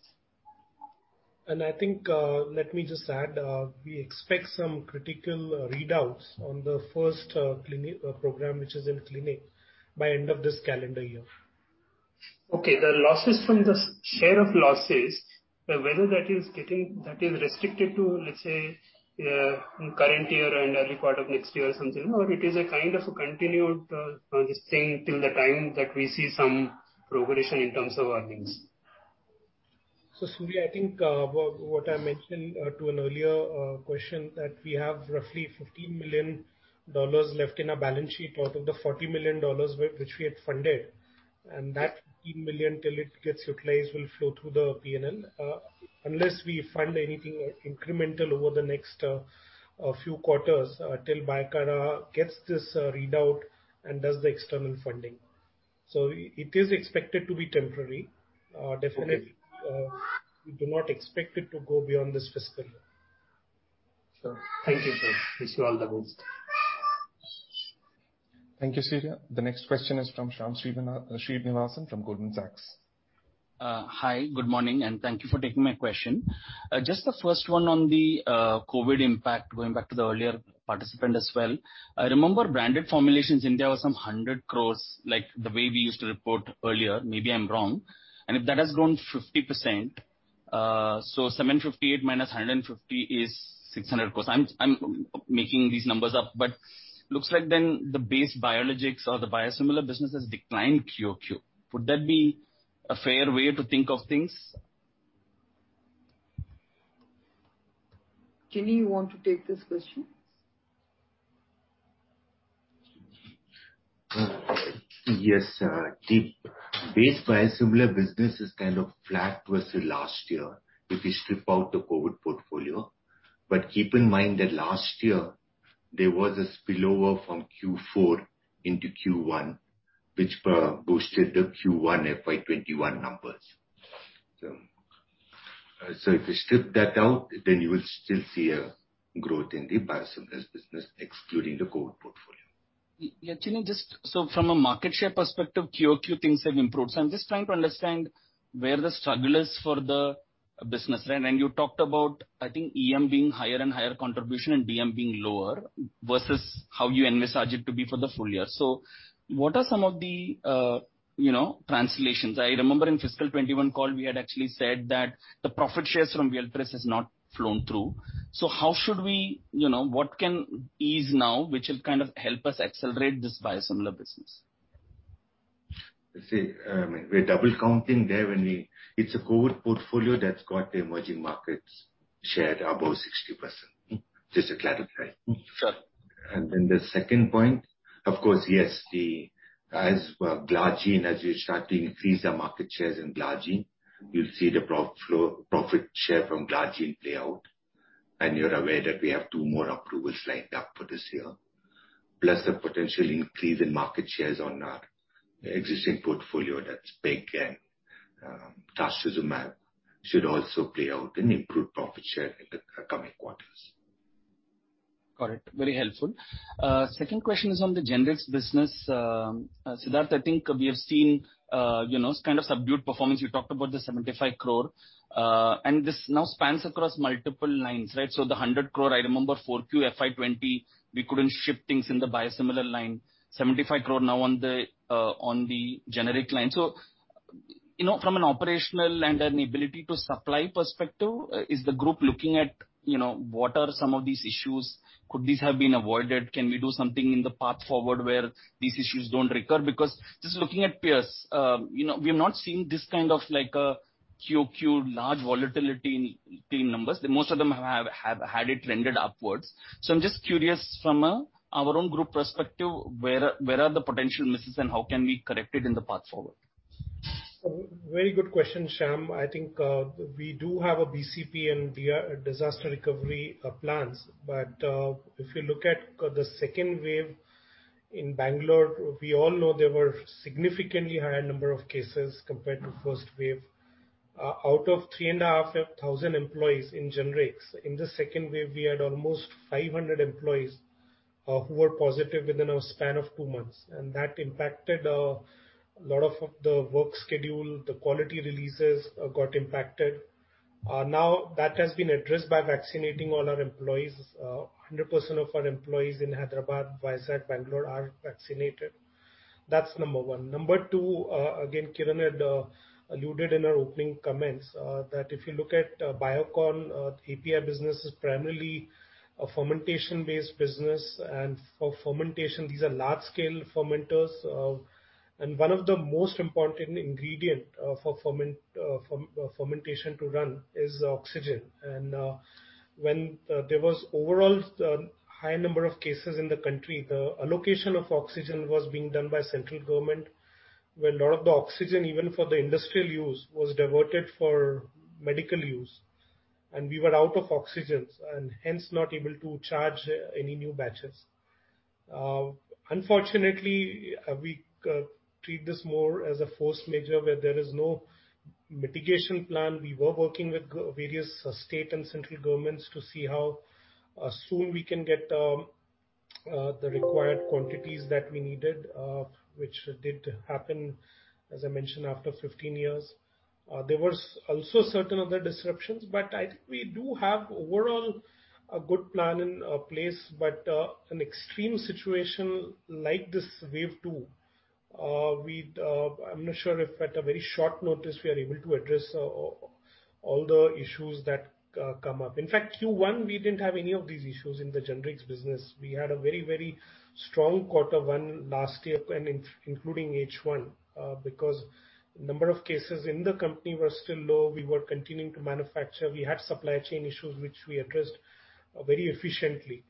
I think, let me just add, we expect some critical readouts on the first program, which is in clinic, by end of this calendar year. Okay. The losses from the share of losses, whether that is restricted to, let's say, current year and early part of next year or something, or it is a kind of a continued thing till the time that we see some progression in terms of earnings? Surya, I think what I mentioned to an earlier question, that we have roughly $15 million left in our balance sheet out of the $40 million which we had funded. That $15 million, till it gets replaced, will flow through the P&L. Unless we fund anything incremental over the next few quarters, till Bicara gets this readout and does the external funding. It is expected to be temporary. Definitely, we do not expect it to go beyond this fiscal year. Sure. Thank you, sir. Wish you all the best. Thank you, Surya. The next question is from Shyam Srinivasan from Goldman Sachs. Hi, good morning. Thank you for taking my question. Just the first one on the COVID impact, going back to the earlier participant as well. I remember Branded Formulations India was some 100 crore, like the way we used to report earlier. Maybe I'm wrong. If that has grown 50%, 758 crore-150 is 600 crore. I'm making these numbers up but looks like then the base biologics or the biosimilar business has declined QoQ. Would that be a fair way to think of things? Susheel, you want to take this question? Yes. The base biosimilar business is kind of flat versus last year, if you strip out the COVID portfolio. Keep in mind that last year there was a spillover from Q4 into Q1, which boosted the Q1 FY 2021 numbers. If you strip that out, then you will still see a growth in the biosimilars business, excluding the COVID portfolio. Yeah, Susheel, from a market share perspective, QoQ things have improved. I'm just trying to understand where the struggle is for the business. You talked about, I think EM being higher and higher contribution and DM being lower, versus how you envisage it to be for the full year. What are some of the translations? I remember in fiscal 2021 call, we had actually said that the profit shares from Viatris has not flown through. What can ease now, which will kind of help us accelerate this biosimilar business? You see, we're double counting there. It's a COVID portfolio that's got the emerging markets shared above 60%. Just to clarify. The second point, of course, yes, as we start to increase the market shares in insulin glargine, you'll see the profit share from insulin glargine play out, and you're aware that we have two more approvals lined up for this year. The potential increase in market shares on our existing portfolio, that's peg and trastuzumab, should also play out and improve profit share in the coming quarters. Got it. Very helpful. Second question is on the Generics business. Siddharth, I think we have seen kind of subdued performance, you talked about the 75 crore. This now spans across multiple lines, right? The 100 crore, I remember Q4 FY 2020, we couldn't ship things in the biosimilar line. 75 crore now on the generic line. From an operational and an ability to supply perspective, is the Group looking at what are some of these issues? Could these have been avoided? Can we do something in the path forward where these issues don't recur? Just looking at peers, we have not seen this kind of QoQ large volatility in numbers. Most of them have had it trended upwards. I'm just curious from our own group perspective, where are the potential misses and how can we correct it in the path forward? Very good question, Shyam. I think we do have a BCP and disaster recovery plans. If you look at the second wave in Bangalore, we all know there were significantly higher number of cases compared to first wave. Out of 3,500 employees in Generics, in the second wave, we had almost 500 employees who were positive within a span of two months. That impacted a lot of the work schedule, the quality releases got impacted. Now that has been addressed by vaccinating all our employees. 100% of our employees in Hyderabad, Vizag, Bangalore are vaccinated. That's number one. Number two, again, Kiran had alluded in our opening comments, that if you look at Biocon API business is primarily a fermentation-based business. For fermentation, these are large-scale fermenters. One of the most important ingredient for fermentation to run is oxygen. When there was overall high number of cases in the country, the allocation of oxygen was being done by central government, where lot of the oxygen, even for the industrial use, was diverted for medical use. We were out of oxygen and hence not able to charge any new batches. Unfortunately, we treat this more as a force majeure where there is no mitigation plan. We were working with various state and central governments to see how soon we can get the required quantities that we needed, which did happen, as I mentioned, after 15 years. There was also certain other disruptions, but I think we do have overall a good plan in place. An extreme situation like this wave 2, I'm not sure if at a very short notice we are able to address all the issues that come up. In fact, Q1, we didn't have any of these issues in the Generics business. We had a very strong quarter one last year, including H1, because number of cases in the company were still low. We were continuing to manufacture. We had supply chain issues, which we addressed very efficiently.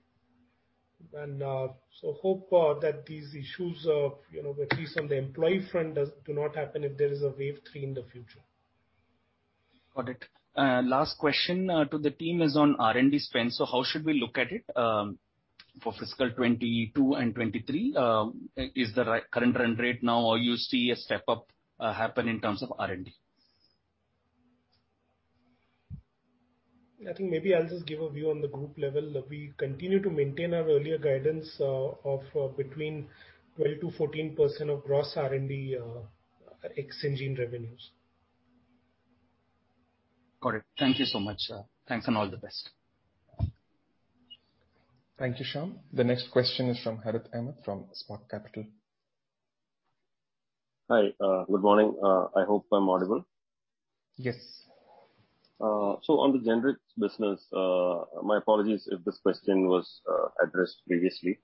Hope that these issues, at least on the employee front, do not happen if there is a wave 3 in the future. Got it. Last question to the team is on R&D spend. How should we look at it for FY 2022 and FY 2023? Is the current run rate now, or you see a step-up happen in terms of R&D? I think maybe I'll just give a view on the Group level. We continue to maintain our earlier guidance of between 12%-14% of gross R&D ex Syngene revenues. Got it. Thank you so much, sir. Thanks. All the best. Thank you, Shyam. The next question is from Harith Ahamed from Spark Capital. Hi. Good morning. I hope I'm audible. Yes. On the Generics business, my apologies if this question was addressed previously.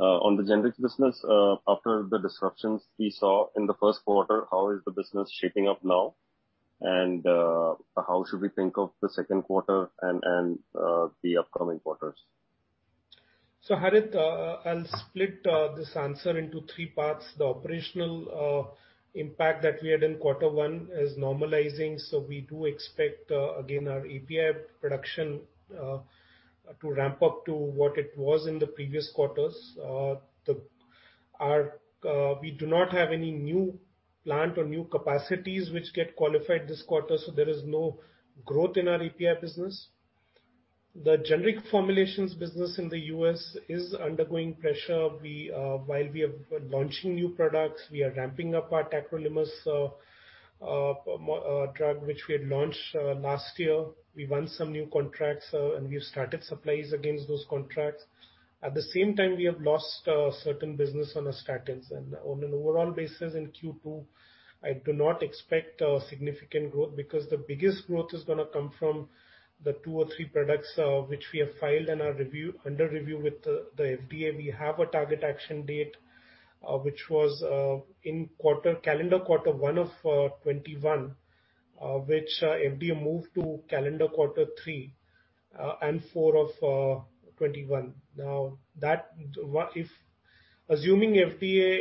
On the generics business, after the disruptions we saw in the first quarter, how is the business shaping up now, and how should we think of the second quarter and the upcoming quarters? Harith, I'll split this answer into three parts. The operational impact that we had in quarter one is normalizing. We do expect, again, our API production to ramp up to what it was in the previous quarters. We do not have any new plant or new capacities which get qualified this quarter, so there is no growth in our API business. The generic formulations business in the U.S. is undergoing pressure. While we are launching new products, we are ramping up our tacrolimus drug, which we had launched last year. We won some new contracts, and we've started supplies against those contracts. At the same time, we have lost certain business on our statins. On an overall basis in Q2, I do not expect significant growth, because the biggest growth is going to come from the two or three products which we have filed and are under review with the FDA. We have a target action date, which was in calendar quarter one of 2021, which FDA moved to calendar quarter three and four of 2021. Assuming FDA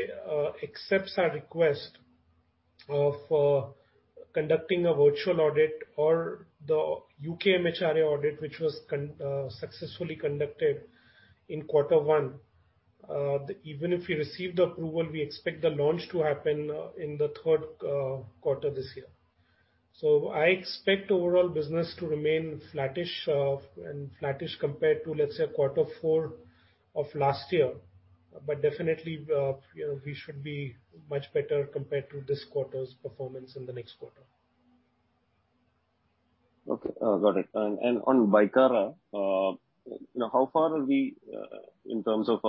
accepts our request of conducting a virtual audit or the U.K. MHRA audit, which was successfully conducted in quarter one, even if we receive the approval, we expect the launch to happen in the third quarter this year. I expect overall business to remain flattish, and flattish compared to, let's say, quarter four of last year. Definitely, we should be much better compared to this quarter's performance in the next quarter. Okay, got it. On Bicara, how far are we in terms of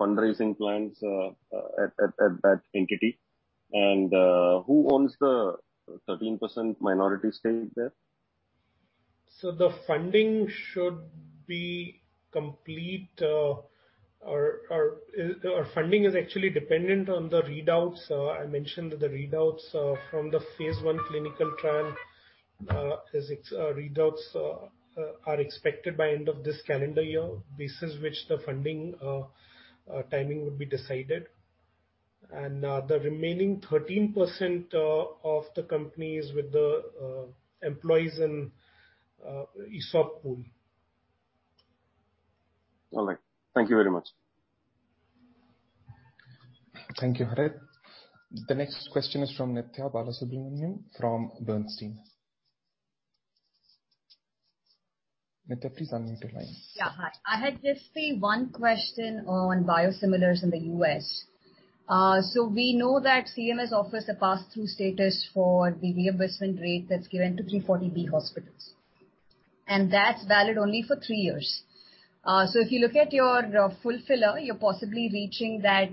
fundraising plans at that entity, and who owns the 13% minority stake there? The funding should be complete, or funding is actually dependent on the readouts. I mentioned that the readouts from the phase I clinical trial readouts are expected by end of this calendar year, basis which the funding timing would be decided. The remaining 13% of the company is with the employees and ESOP pool. All right. Thank you very much. Thank you, Harith. The next question is from Nithya Balasubramanian from Bernstein. Nithya, please unmute your line. Yeah, hi. I had just the one question on biosimilars in the U.S. We know that CMS offers a pass-through status for the reimbursement rate that's given to 340B hospitals, and that's valid only for three years. If you look at your FULPHILA, you're possibly reaching that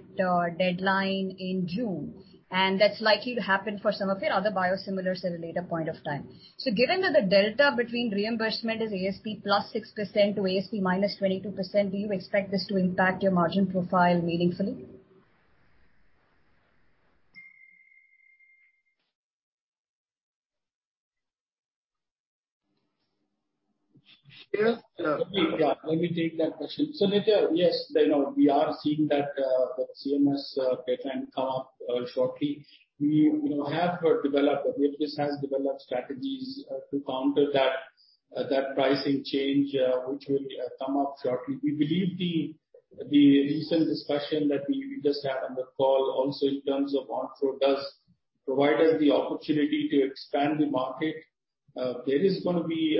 deadline in June, and that's likely to happen for some of your other biosimilars at a later point of time. Given that the delta between reimbursement is ASP + 6% ASP - 22%, do you expect this to impact your margin profile meaningfully? *crosstalk* Let me take that question. Nithya, yes, we are seeing that CMS deadline come up shortly. We have developed, or Viatris has developed strategies to counter that pricing change, which will come up shortly. We believe the recent discussion that we just had on the call also in terms of Onpro does provide us the opportunity to expand the market. There is going to be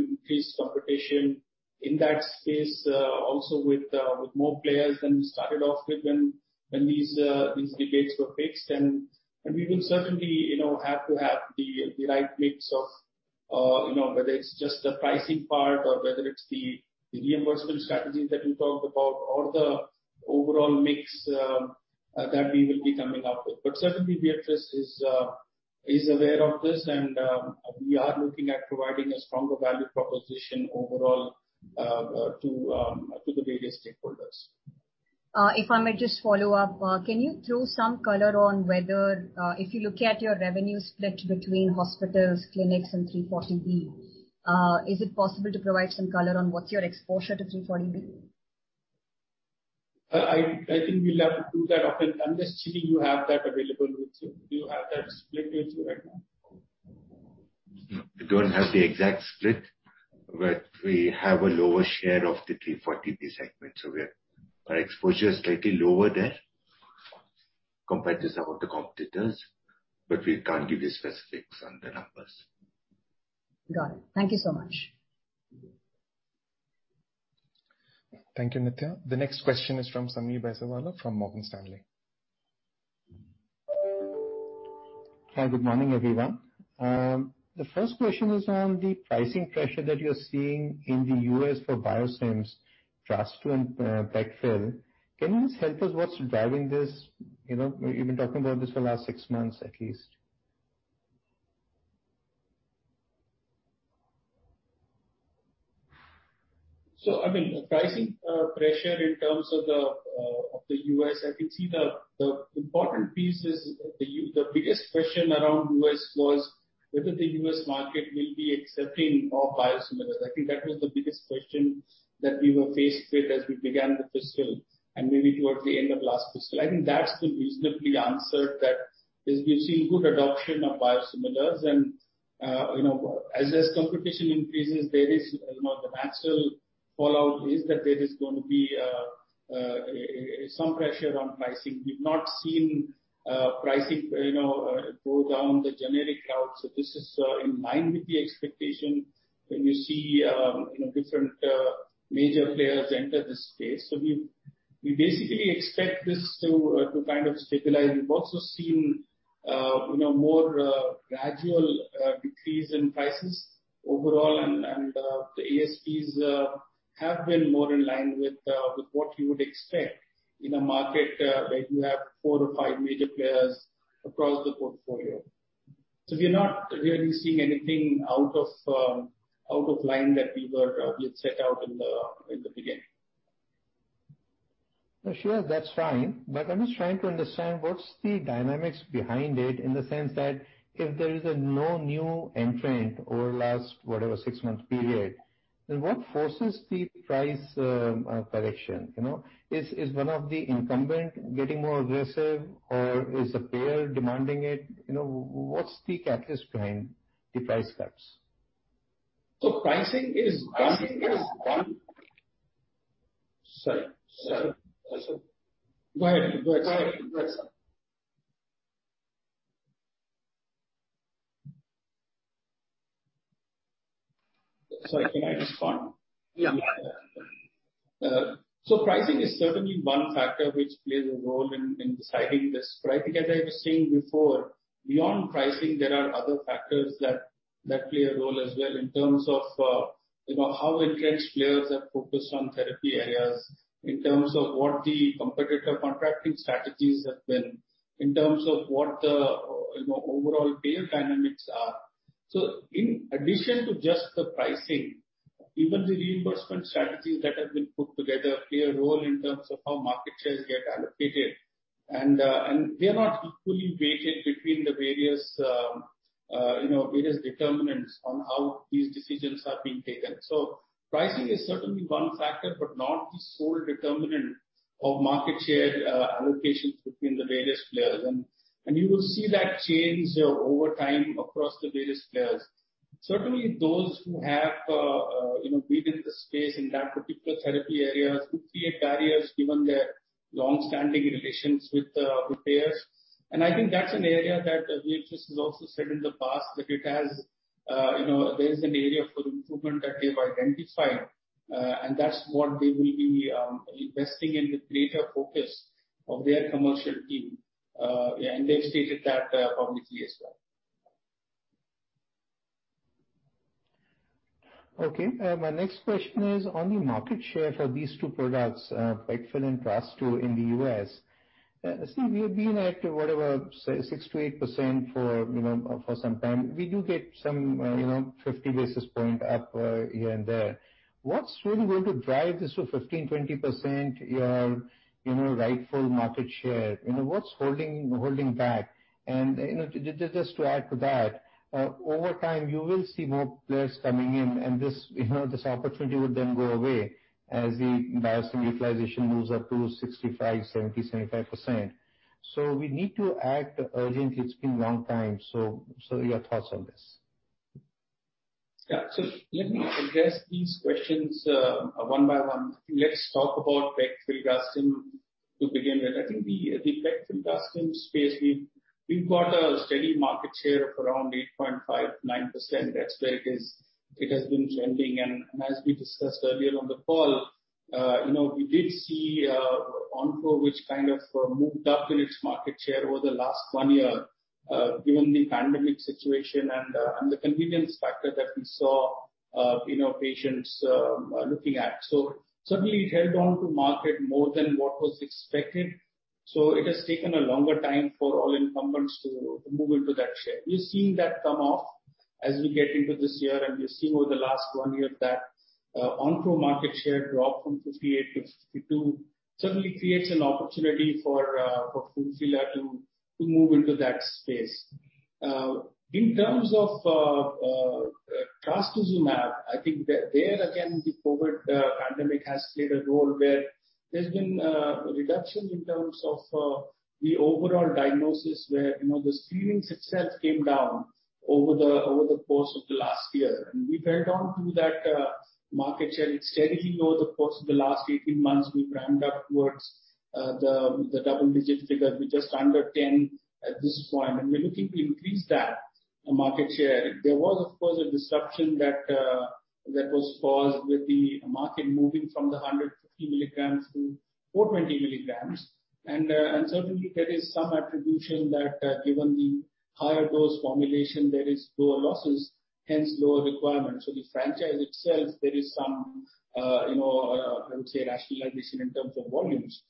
increased competition in that space, also with more players than we started off with when these debates were fixed and we will certainly have to have the right mix of whether it's just the pricing part or whether it's the reimbursement strategies that we talked about or the overall mix that we will be coming up with. Certainly, Viatris is aware of this and we are looking at providing a stronger value proposition overall to the various stakeholders. If I may just follow up, can you throw some color on whether if you look at your revenue split between hospitals, clinics, and 340B, is it possible to provide some color on what's your exposure to 340B? I think we'll have to do that often. I'm just- Susheel you have that available with you. Do you have that split with you right now? No, we don't have the exact split, but we have a lower share of the 340B segment, so our exposure is slightly lower there compared to some of the competitors, but we can't give you specifics on the numbers. Got it. Thank you so much. Thank you, Nithya. The next question is from Sameer Baisiwala from Morgan Stanley. Hi, good morning, everyone. The first question is on the pricing pressure that you're seeing in the U.S. for biosimilars, trastuzumab and pegfilgrastim. Can you just help us what's driving this? You've been talking about this for the last six months at least. Pricing pressure in terms of the U.S., I can see the important piece is the biggest question around U.S. was whether the U.S. market will be accepting more biosimilars. I think that was the biggest question that we were faced with as we began the fiscal and maybe towards the end of last fiscal. I think that's been reasonably answered, that is we've seen good adoption of biosimilars, and as competition increases, the natural fallout is that there is going to be some pressure on pricing. We've not seen pricing go down the generic route, so this is in line with the expectation when we see different major players enter this space. We basically expect this to kind of stabilize. We've also seen more gradual decrease in prices overall. The ASPs have been more in line with what you would expect in a market where you have four or five major players across the portfolio. We're not really seeing anything out of line that we had set out in the beginning. Sure, that's fine. I'm just trying to understand what's the dynamics behind it in the sense that if there is no new entrant over the last, whatever, six-month period, then what forces the price correction? Is one of the incumbent getting more aggressive or is the payer demanding it? What's the catalyst behind the price cuts? Pricing is one. Sorry. *crosstalk* Sorry, can I respond? Yeah. Pricing is certainly one factor which plays a role in deciding this. I think as I was saying before, beyond pricing, there are other factors that play a role as well in terms of how entrenched players have focused on therapy areas, in terms of what the competitor contracting strategies have been, in terms of what the overall payer dynamics are. In addition to just the pricing, even the reimbursement strategies that have been put together play a role in terms of how market shares get allocated. They are not equally weighted between the various determinants on how these decisions are being taken. Pricing is certainly one factor, but not the sole determinant of market share allocations between the various players. You will see that change over time across the various players. Certainly those who have been in the space in that particular therapy area could create barriers given their long-standing relations with the payers. I think that's an area that Viatris has also said in the past, that there is an area for improvement that they've identified. That's what they will be investing in with greater focus of their commercial team. They've stated that publicly as well. My next question is on the market share for these two products, pegfilgrastim and trastuzumab in the U.S. I see we have been at, whatever, 6%-8% for some time. We do get some 50 basis points up here and there. What's really going to drive this to 15%-20% rightful market share? What's holding back? Just to add to that, over time you will see more players coming in and this opportunity will then go away as the biosimilar utilization moves up to 65%, 70%, 75%. We need to act urgently. It's been a long time. Your thoughts on this? Yeah. Let me address these questions one by one. Let's talk about pegfilgrastim to begin with. I think the pegfilgrastim space, we've got a steady market share of around 8.5%-9%. That's where it has been trending, and as we discussed earlier on the call, we did see Onpro, which kind of moved up in its market share over the last one year given the pandemic situation and the convenience factor that we saw patients looking at. Certainly it held on to market more than what was expected. It has taken a longer time for all incumbents to move into that share. We're seeing that come off as we get into this year, and we've seen over the last one year that Onpro market share dropped from 58% to 52%, certainly creates an opportunity for FULPHILA to move into that space. In terms of trastuzumab, I think there again, the COVID pandemic has played a role where there's been a reduction in terms of the overall diagnosis, where the screenings itself came down over the course of the last year. We've held on to that market share steadily over the course of the last 18 months. We've ramped up towards the double-digit figures. We're just under 10 at this point, and we're looking to increase that market share. There was, of course, a disruption that was caused with the market moving from the 150 mg to 420 mg. Certainly there is some attribution that given the higher dose formulation, there is lower losses, hence lower requirements. The franchise itself, there is some, I would say rationalization in terms of volumes.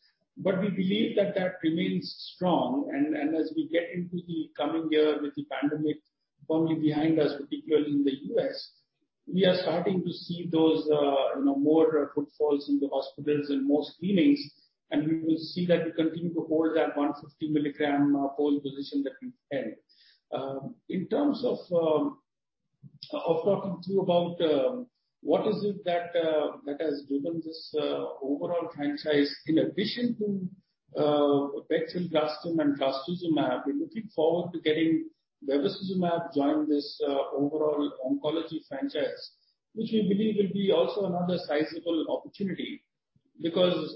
We believe that that remains strong, and as we get into the coming year with the pandemic firmly behind us, particularly in the U.S., we are starting to see more footfalls in the hospitals and more screenings, and we will see that we continue to hold that 150 mg pole position that we've held. In terms of talking to you about what is it that has driven this overall franchise, in addition to pegfilgrastim and trastuzumab, we're looking forward to getting bevacizumab join this overall oncology franchise, which we believe will be also another sizable opportunity because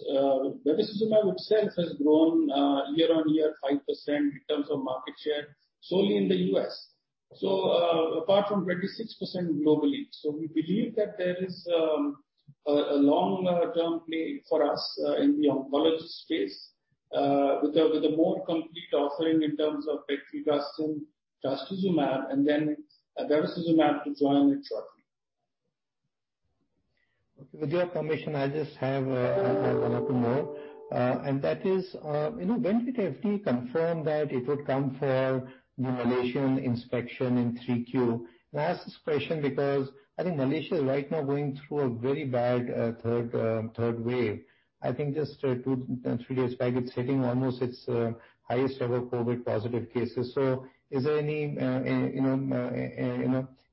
bevacizumab itself has grown year on year 5% in terms of market share solely in the U.S. Apart from 26% globally. We believe that there is a long-term play for us in the oncology space with a more complete offering in terms of pegfilgrastim, trastuzumab, and then bevacizumab to join it shortly. Okay. With your permission, I just have one or two more. That is, when did FDA confirm that it would come for the Malaysian inspection in 3Q? I ask this question because I think Malaysia right now going through a very bad third wave. I think just two, three days back, it's hitting almost its highest ever COVID positive cases. Is there any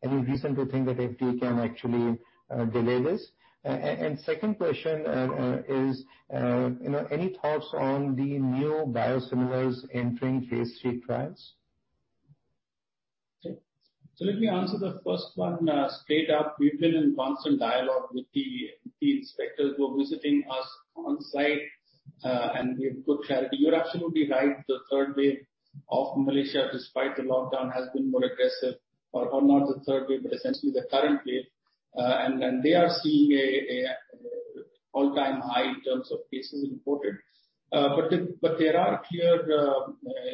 reason to think that FDA can actually delay this? Second question is any thoughts on the new biosimilars entering phase III trials? Okay. Let me answer the first one straight up. We've been in constant dialogue with the inspectors who are visiting us on-site, and we have good clarity. You're absolutely right, the third wave of Malaysia, despite the lockdown, has been more aggressive. Not the third wave, but essentially the current wave. They are seeing an all-time high in terms of cases reported. There are clear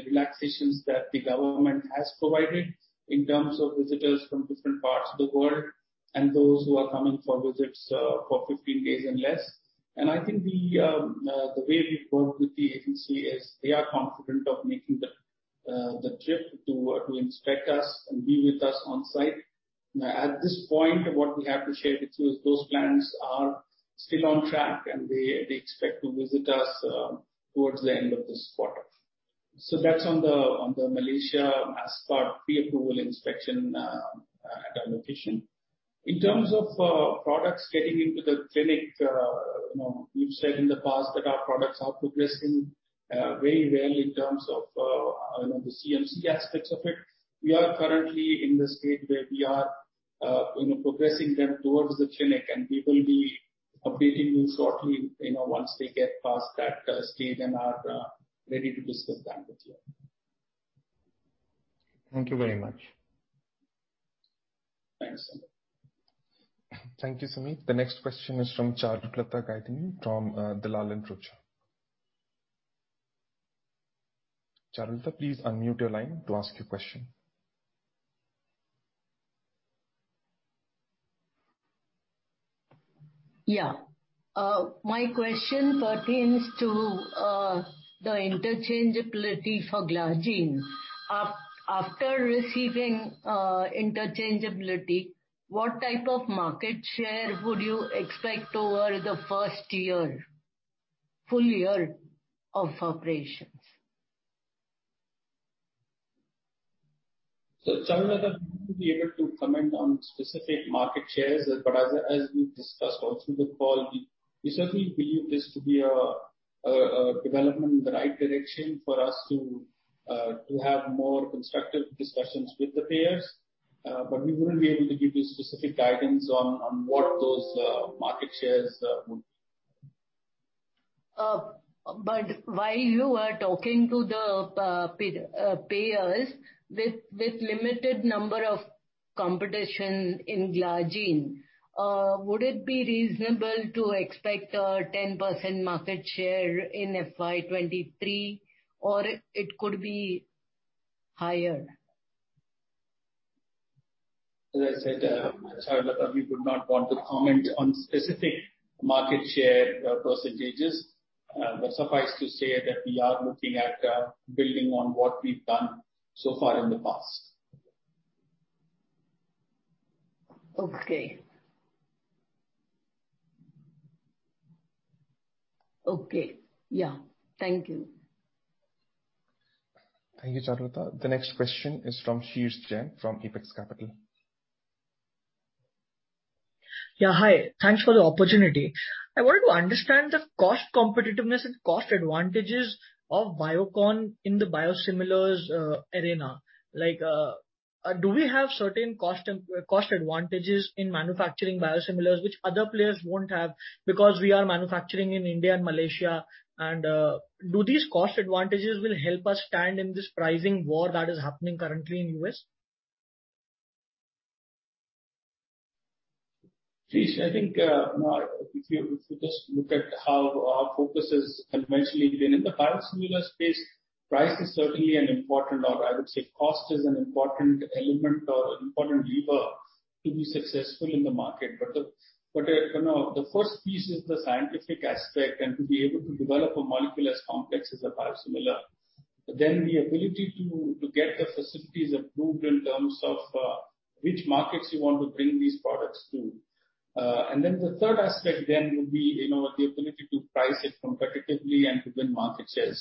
relaxations that the government has provided in terms of visitors from different parts of the world and those who are coming for visits for 15 days and less. I think the way we've worked with the agency is they are confident of making the trip to inspect us and be with us on-site. At this point, what we have to share with you is those plans are still on track, and they expect to visit us towards the end of this quarter. That's on the Malaysia as part pre-approval inspection at our location. In terms of products getting into the clinic, we've said in the past that our products are progressing very well in terms of the CMC aspects of it. We are currently in the stage where we are progressing them towards the clinic, and we will be updating you shortly once they get past that stage and are ready to discuss that with you. Thank you very much. Thanks. Thank you, Sameer. The next question is from Charulata Gaidhani from Dalal & Broacha. Charulata, please unmute your line to ask your question. Yeah. My question pertains to the interchangeability for glargine. After receiving interchangeability, what type of market share would you expect over the first year, full year of operations? Charulata, I wouldn't be able to comment on specific market shares, but as we've discussed all through the call, we certainly believe this to be a development in the right direction for us to have more constructive discussions with the payers. We wouldn't be able to give you specific guidance on what those market shares would. While you are talking to the payers with limited number of competition in glargine, would it be reasonable to expect a 10% market share in FY 2023, or it could be higher? As I said, Charulata, we would not want to comment on specific market share percentages. Suffice to say that we are looking at building on what we've done so far in the past. Okay. Okay. Yeah. Thank you. Thank you, Charulata. The next question is from Sheersh Jain from Apex Capital. Yeah, hi. Thanks for the opportunity. I want to understand the cost competitiveness and cost advantages of Biocon in the biosimilars arena. Do we have certain cost advantages in manufacturing biosimilars which other players won't have because we are manufacturing in India and Malaysia? Do these cost advantages will help us stand in this pricing war that is happening currently in U.S.? Sheersh, I think, if you just look at how our focus has conventionally been in the biosimilar space, price is certainly an important, or I would say, cost is an important element or important lever to be successful in the market. The first piece is the scientific aspect, and to be able to develop a molecule as complex as a biosimilar. The ability to get the facilities approved in terms of which markets you want to bring these products to. The third aspect then would be the ability to price it competitively and to win market share.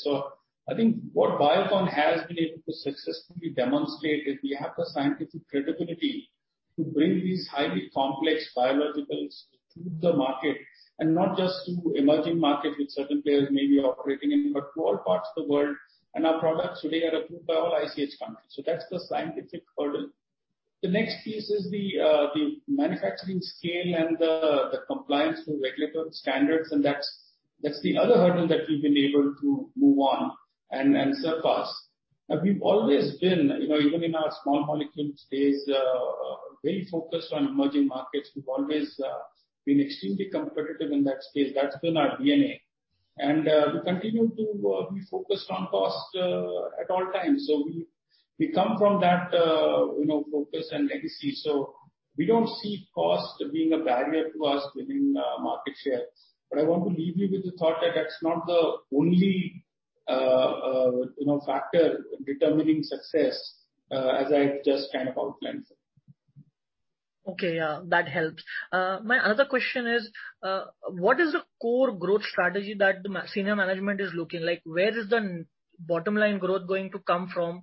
I think what Biocon has been able to successfully demonstrate is we have the scientific credibility to bring these highly complex biologicals to the market, and not just to emerging markets which certain players may be operating in, but to all parts of the world. Our products today are approved by all ICH countries. That's the scientific hurdle. The next piece is the manufacturing scale and the compliance with regulatory standards, and that's the other hurdle that we've been able to move on and surpass. We've always been, even in our small molecule space, very focused on emerging markets. We've always been extremely competitive in that space. That's been our DNA. We continue to be focused on cost at all times. We come from that focus and legacy, so we don't see cost being a barrier to us within market share. I want to leave you with the thought that that's not the only factor determining success, as I've just kind of outlined. Okay. Yeah, that helps. My other question is, what is the core growth strategy that the senior management is looking? Where is the bottom line growth going to come from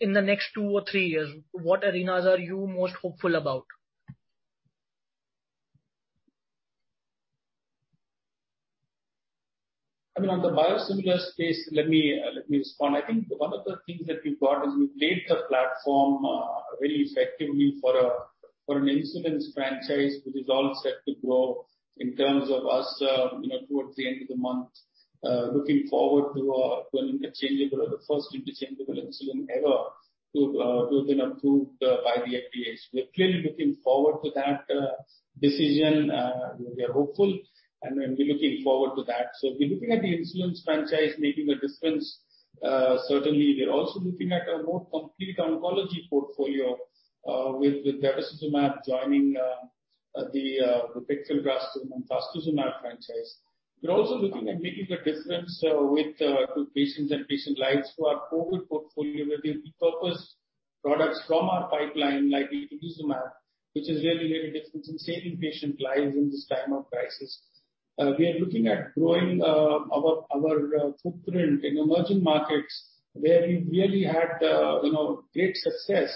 in the next two or three years? What arenas are you most hopeful about? On the biosimilars space, let me respond. I think one of the things that we've got is we've laid the platform very effectively for an insulins franchise, which is all set to grow in terms of us towards the end of the month, looking forward to the first interchangeable insulin ever to have been approved by the FDA. We're clearly looking forward to that decision. We are hopeful, and we're looking forward to that. We're looking at the insulins franchise making a difference. Certainly, we are also looking at a more complete oncology portfolio, with atezolizumab joining the bevacizumab and trastuzumab franchise. We're also looking at making a difference with patients and patient lives through our COVID portfolio, where we repurpose products from our pipeline, like itolizumab, which is really making a difference in saving patient lives in this time of crisis. We are looking at growing our footprint in emerging markets, where we've really had great success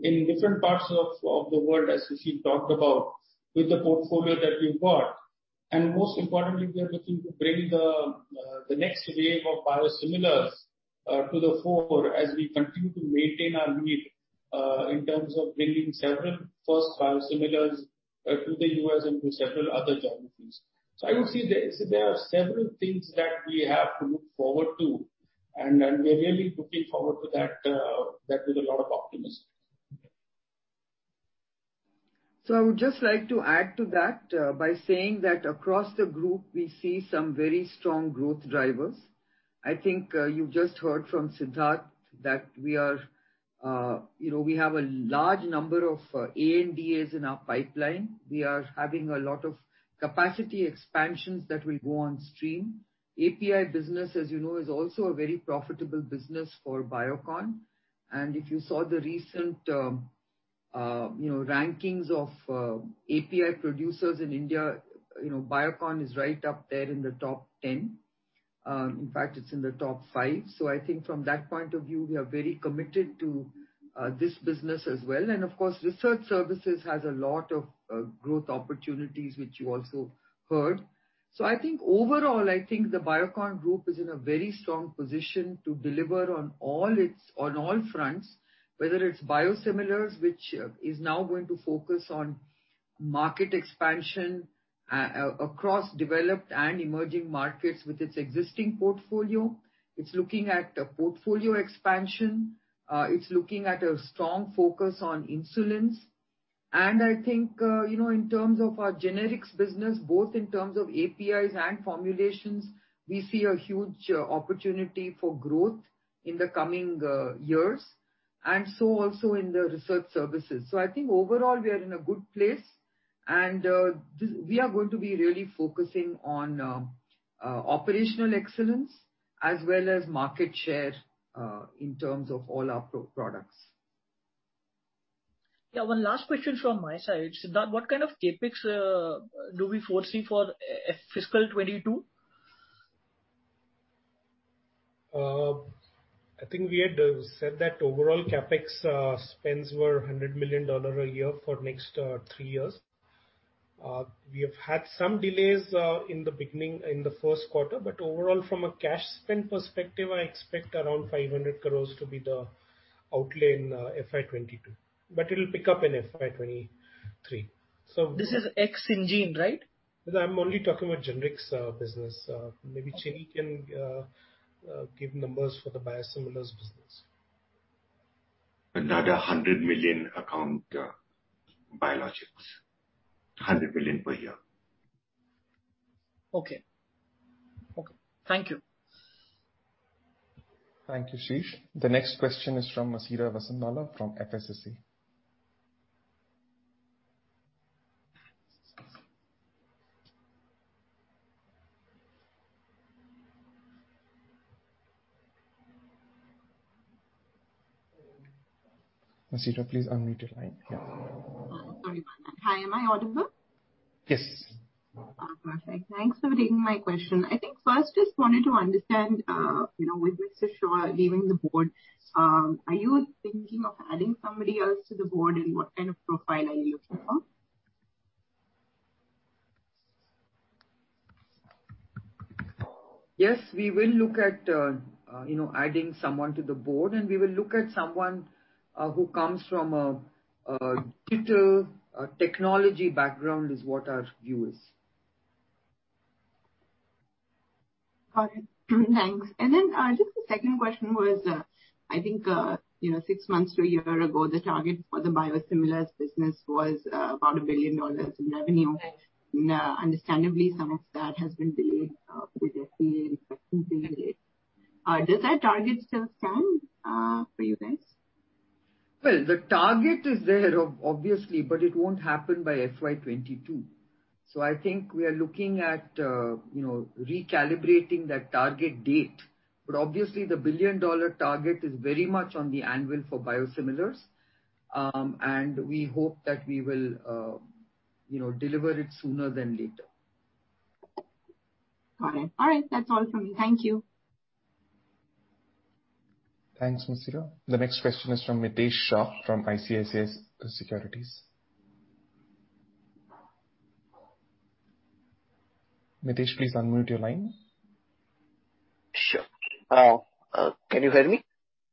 in different parts of the world, as Susheel talked about, with the portfolio that we've got. Most importantly, we are looking to bring the next wave of biosimilars to the fore as we continue to maintain our lead in terms of bringing several first biosimilars to the U.S. and to several other geographies. I would say there are several things that we have to look forward to, and we're really looking forward to that with a lot of optimism. I would just like to add to that by saying that across the Group, we see some very strong growth drivers. I think you've just heard from Siddharth that we have a large number of ANDAs in our pipeline. We are having a lot of capacity expansions that will go on stream. API business, as you know, is also a very profitable business for Biocon. If you saw the recent rankings of API producers in India, Biocon is right up there in the top 10. In fact, it's in the top 5. I think from that point of view, we are very committed to this business as well. Of course, research services has a lot of growth opportunities, which you also heard. I think overall, the Biocon group is in a very strong position to deliver on all fronts, whether it's biosimilars, which is now going to focus on market expansion across developed and emerging markets with its existing portfolio. It's looking at a portfolio expansion. It's looking at a strong focus on insulins. I think, in terms of our generics business, both in terms of APIs and formulations, we see a huge opportunity for growth in the coming years, and so also in the research services. I think overall, we are in a good place and we are going to be really focusing on operational excellence as well as market share in terms of all our products. Yeah. One last question from my side. Siddharth, what kind of CapEx do we foresee for fiscal 2022? I think we had said that overall CapEx spends were $100 million a year for next three years. We have had some delays in the beginning, in the first quarter. Overall, from a cash spend perspective, I expect around 500 crore to be the outlay in FY 2022, but it'll pick up in FY 2023. This is ex Syngene, right? I'm only talking about generics business. Maybe Susheel can give numbers for the biosimilars business. Another $100 million account, biologics. $100 million per year. Okay. Thank you. Thank you, Sheersh. The next question is from Masira Vasanwala from FSSA. Masira, please unmute your line. Yeah. Sorry about that. Hi, am I audible? Yes. Perfect. Thanks for taking my question. I think first, just wanted to understand, with Mr. Shaw leaving the board, are you thinking of adding somebody else to the board? What kind of profile are you looking for? Yes, we will look at adding someone to the board, and we will look at someone who comes from a digital technology background, is what our view is. Got it. Thanks. Just a second question was, I think, six months to a year ago, the target for the biosimilars business was about $1 billion in revenue. Understandably, some of that has been delayed with the CA. *audio distortion* Does that target still stand for you guys? The target is there, obviously, but it won't happen by FY 2022. I think we are looking at recalibrating that target date. Obviously the billion-dollar target is very much on the anvil for biosimilars. We hope that we will deliver it sooner than later. Got it. All right. That's all from me. Thank you. Thanks, Masira. The next question is from Mitesh Shah from ICICI Securities. Mitesh, please unmute your line. Sure. Can you hear me?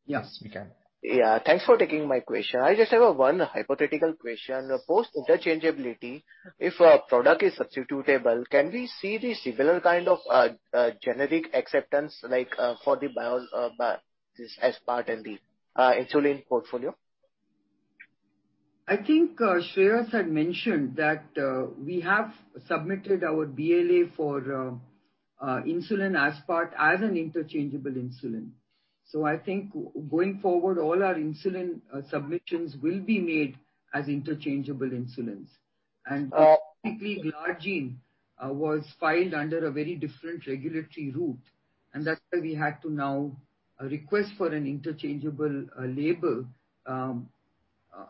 Yes, we can. Yeah. Thanks for taking my question. I just have one hypothetical question. Post interchangeability, if a product is substitutable, can we see the similar kind of generic acceptance, like for the bios aspart in the insulin portfolio? I think Shreehas had mentioned that we have submitted our BLA for insulin aspart as an interchangeable insulin. I think going forward, all our insulin submissions will be made as interchangeable insulins. Specifically insulin glargine was filed under a very different regulatory route, and that's why we had to now request for an interchangeable label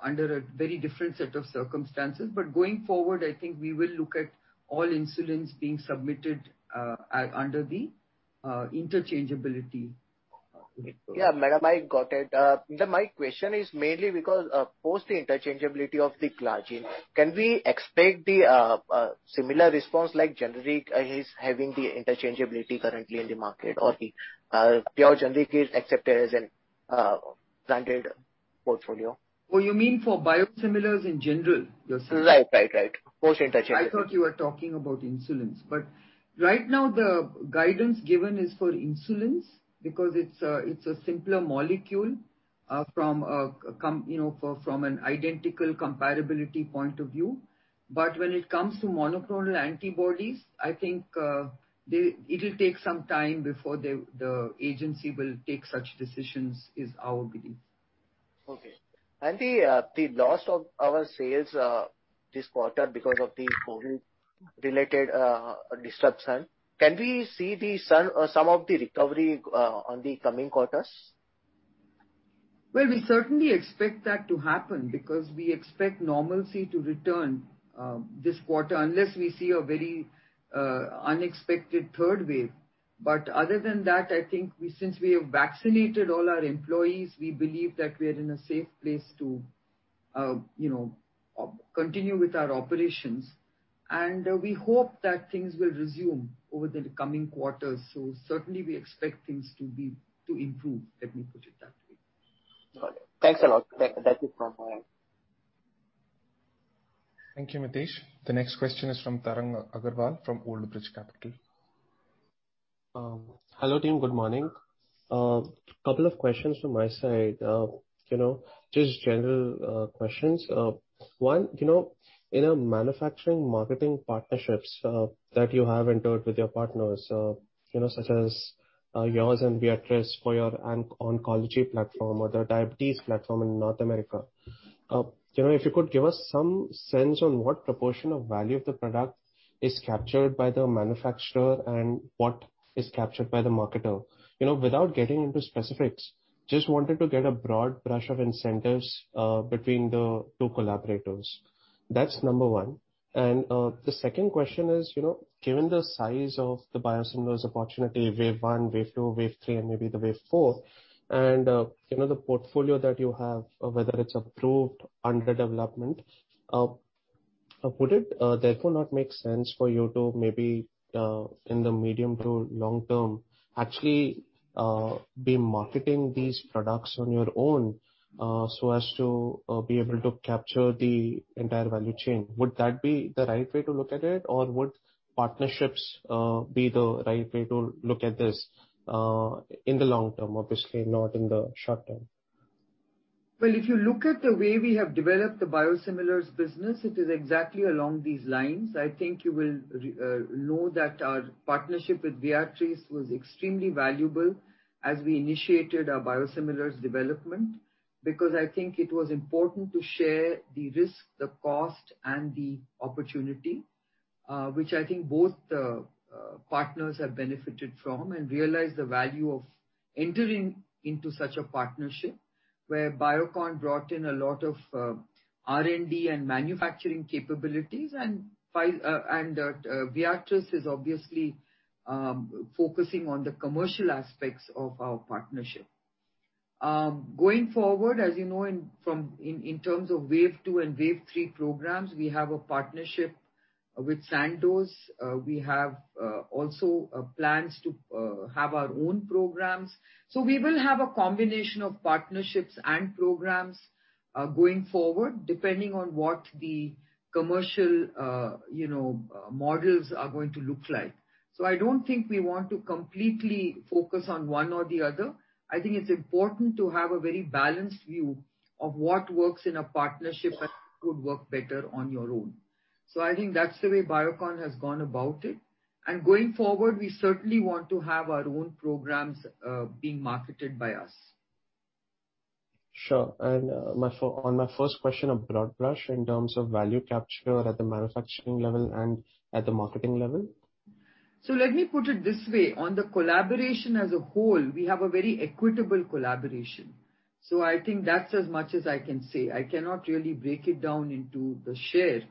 under a very different set of circumstances. Going forward, I think we will look at all insulins being submitted under the interchangeability. Yeah, madam, I got it. My question is mainly because post the interchangeability of the insulin glargine, can we expect the similar response like generic is having the interchangeability currently in the market, or the pure generic is accepted as a standard portfolio? Oh, you mean for biosimilars in general? Right. Post interchangeability. I thought you were talking about insulins. Right now the guidance given is for insulins because it's a simpler molecule from an identical compatibility point of view. When it comes to monoclonal antibodies, I think it'll take some time before the agency will take such decisions, is our belief. Okay. The loss of our sales this quarter because of the COVID-related disruption, can we see some of the recovery on the coming quarters? We certainly expect that to happen, because we expect normalcy to return this quarter, unless we see a very unexpected third wave. Other than that, I think since we have vaccinated all our employees, we believe that we are in a safe place to continue with our operations. We hope that things will resume over the coming quarters. Certainly, we expect things to improve. Let me put it that way. Got it. Thanks a lot. That's it from my end. Thank you, Mitesh. The next question is from Tarang Agarwal from Old Bridge Capital. Hello, team. Good morning. Couple of questions from my side. Just general questions. One, in a manufacturing/marketing partnerships that you have entered with your partners, such as yours and Viatris for your oncology platform or the diabetes platform in North America, if you could give us some sense on what proportion of value of the product is captured by the manufacturer and what is captured by the marketer. Without getting into specifics, just wanted to get a broad brush of incentives between the two collaborators. That's number one. The second question is, given the size of the biosimilars opportunity, wave 1, wave 2, wave 3, and maybe the wave 4, and the portfolio that you have, whether it's approved, under development. Would it therefore not make sense for you to maybe, in the medium to long term, actually be marketing these products on your own so as to be able to capture the entire value chain? Would that be the right way to look at it, or would partnerships be the right way to look at this in the long term, obviously not in the short term? Well, if you look at the way we have developed the biosimilars business, it is exactly along these lines. I think you will know that our partnership with Viatris was extremely valuable as we initiated our biosimilars development, because I think it was important to share the risk, the cost, and the opportunity, which I think both partners have benefited from and realized the value of entering into such a partnership. Where Biocon brought in a lot of R&D and manufacturing capabilities, and Viatris is obviously focusing on the commercial aspects of our partnership. Going forward, as you know, in terms of wave 2 and wave 3 programs, we have a partnership with Sandoz. We have also plans to have our own programs. We will have a combination of partnerships and programs going forward, depending on what the commercial models are going to look like. I don't think we want to completely focus on one or the other. I think it's important to have a very balanced view of what works in a partnership and could work better on your own. I think that's the way Biocon has gone about it. Going forward, we certainly want to have our own programs being marketed by us. Sure. On my first question, a broad brush in terms of value capture at the manufacturing level and at the marketing level? Let me put it this way. On the collaboration as a whole, we have a very equitable collaboration. I think that's as much as I can say. I cannot really break it down into the share.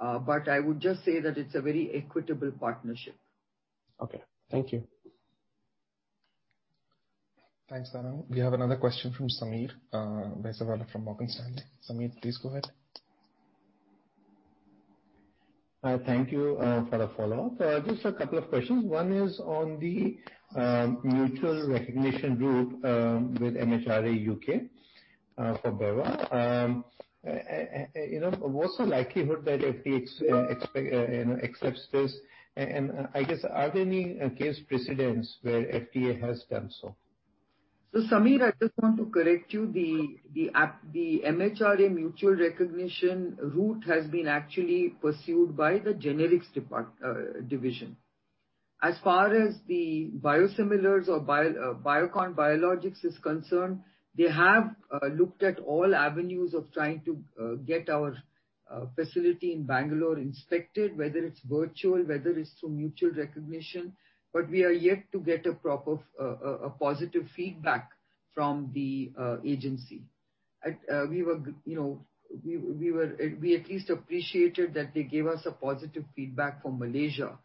I would just say that it's a very equitable partnership. Okay. Thank you. Thanks, Tarang. We have another question from Sameer Baisiwala from Morgan Stanley. Sameer, please go ahead. Thank you for the follow-up. Just a couple of questions. One is on the mutual recognition group with MHRA U.K. for bevacizumab. What's the likelihood that FDA accepts this, and I guess are there any case precedents where FDA has done so? Sameer, I just want to correct you. The MHRA mutual recognition route has been actually pursued by the generics division. As far as the biosimilars or Biocon Biologics is concerned, they have looked at all avenues of trying to get our facility in Bangalore inspected, whether it's virtual, whether it's through mutual recognition, but we are yet to get a positive feedback from the agency. We at least appreciated that they gave us a positive feedback from Malaysia.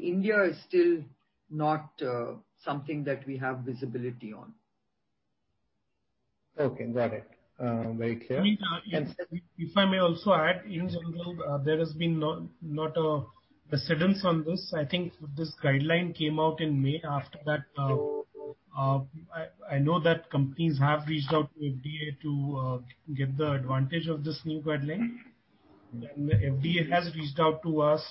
India is still not something that we have visibility on. Okay, got it. Very clear. If I may also add, in general, there has been not a precedent on this. I think this guideline came out in May. After that, I know that companies have reached out to FDA to get the advantage of this new guideline. FDA has reached out to us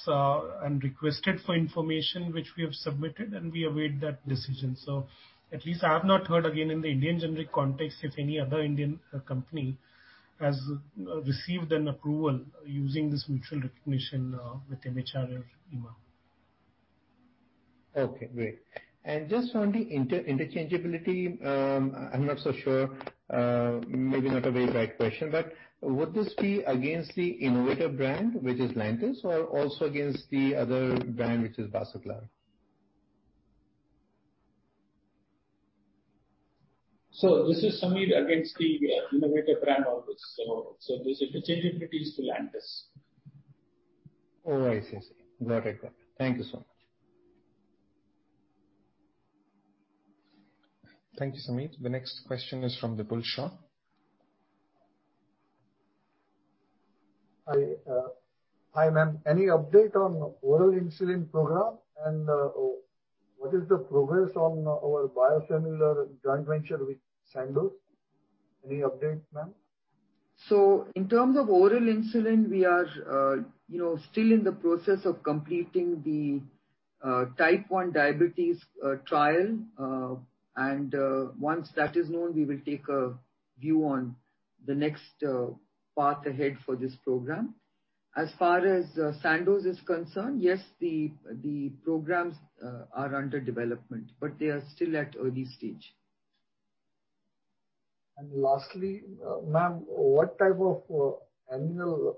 and requested for information, which we have submitted, and we await that decision. At least I have not heard again in the Indian generic context if any other Indian company has received an approval using this mutual recognition with MHRA. Okay, great. Just on the interchangeability, I'm not so sure, maybe not a very right question, but would this be against the innovator brand, which is LANTUS, or also against the other brand, which is BASAGLAR? This is, Sameer, against the innovator brand always. This interchangeability is to LANTUS. Oh, I see. Got it. Thank you so much. Thank you, Sameer. The next question is from Vipul Shah. Hi, ma'am. Any update on oral insulin program and what is the progress on our biosimilar joint venture with Sandoz? Any update, ma'am? In terms of oral insulin, we are still in the process of completing the type 1 diabetes trial. Once that is known, we will take a view on the next path ahead for this program. As far as Sandoz is concerned, yes, the programs are under development, but they are still at early stage. Lastly, ma'am, what type of annual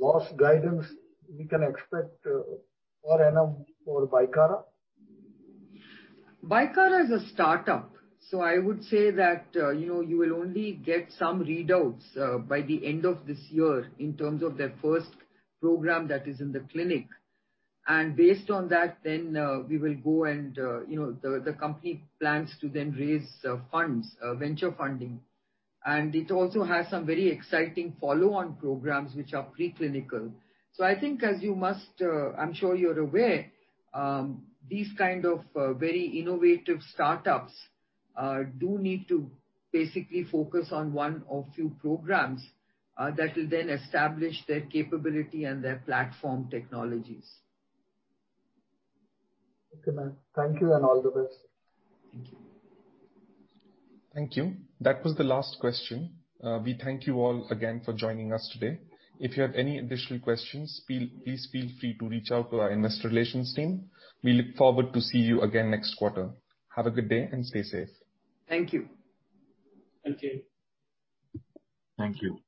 loss guidance we can expect for Bicara? Bicara is a startup. I would say that you will only get some readouts by the end of this year in terms of their first program that is in the clinic. Based on that, then the company plans to then raise venture funding. It also has some very exciting follow-on programs, which are preclinical. I think I'm sure you're aware, these kind of very innovative startups do need to basically focus on one or few programs that will then establish their capability and their platform technologies. Okay, ma'am. Thank you and all the best. Thank you. Thank you. That was the last question. We thank you all again for joining us today. If you have any additional questions, please feel free to reach out to our investor relations team. We look forward to see you again next quarter. Have a good day and stay safe. Thank you. Thank you. Thank you.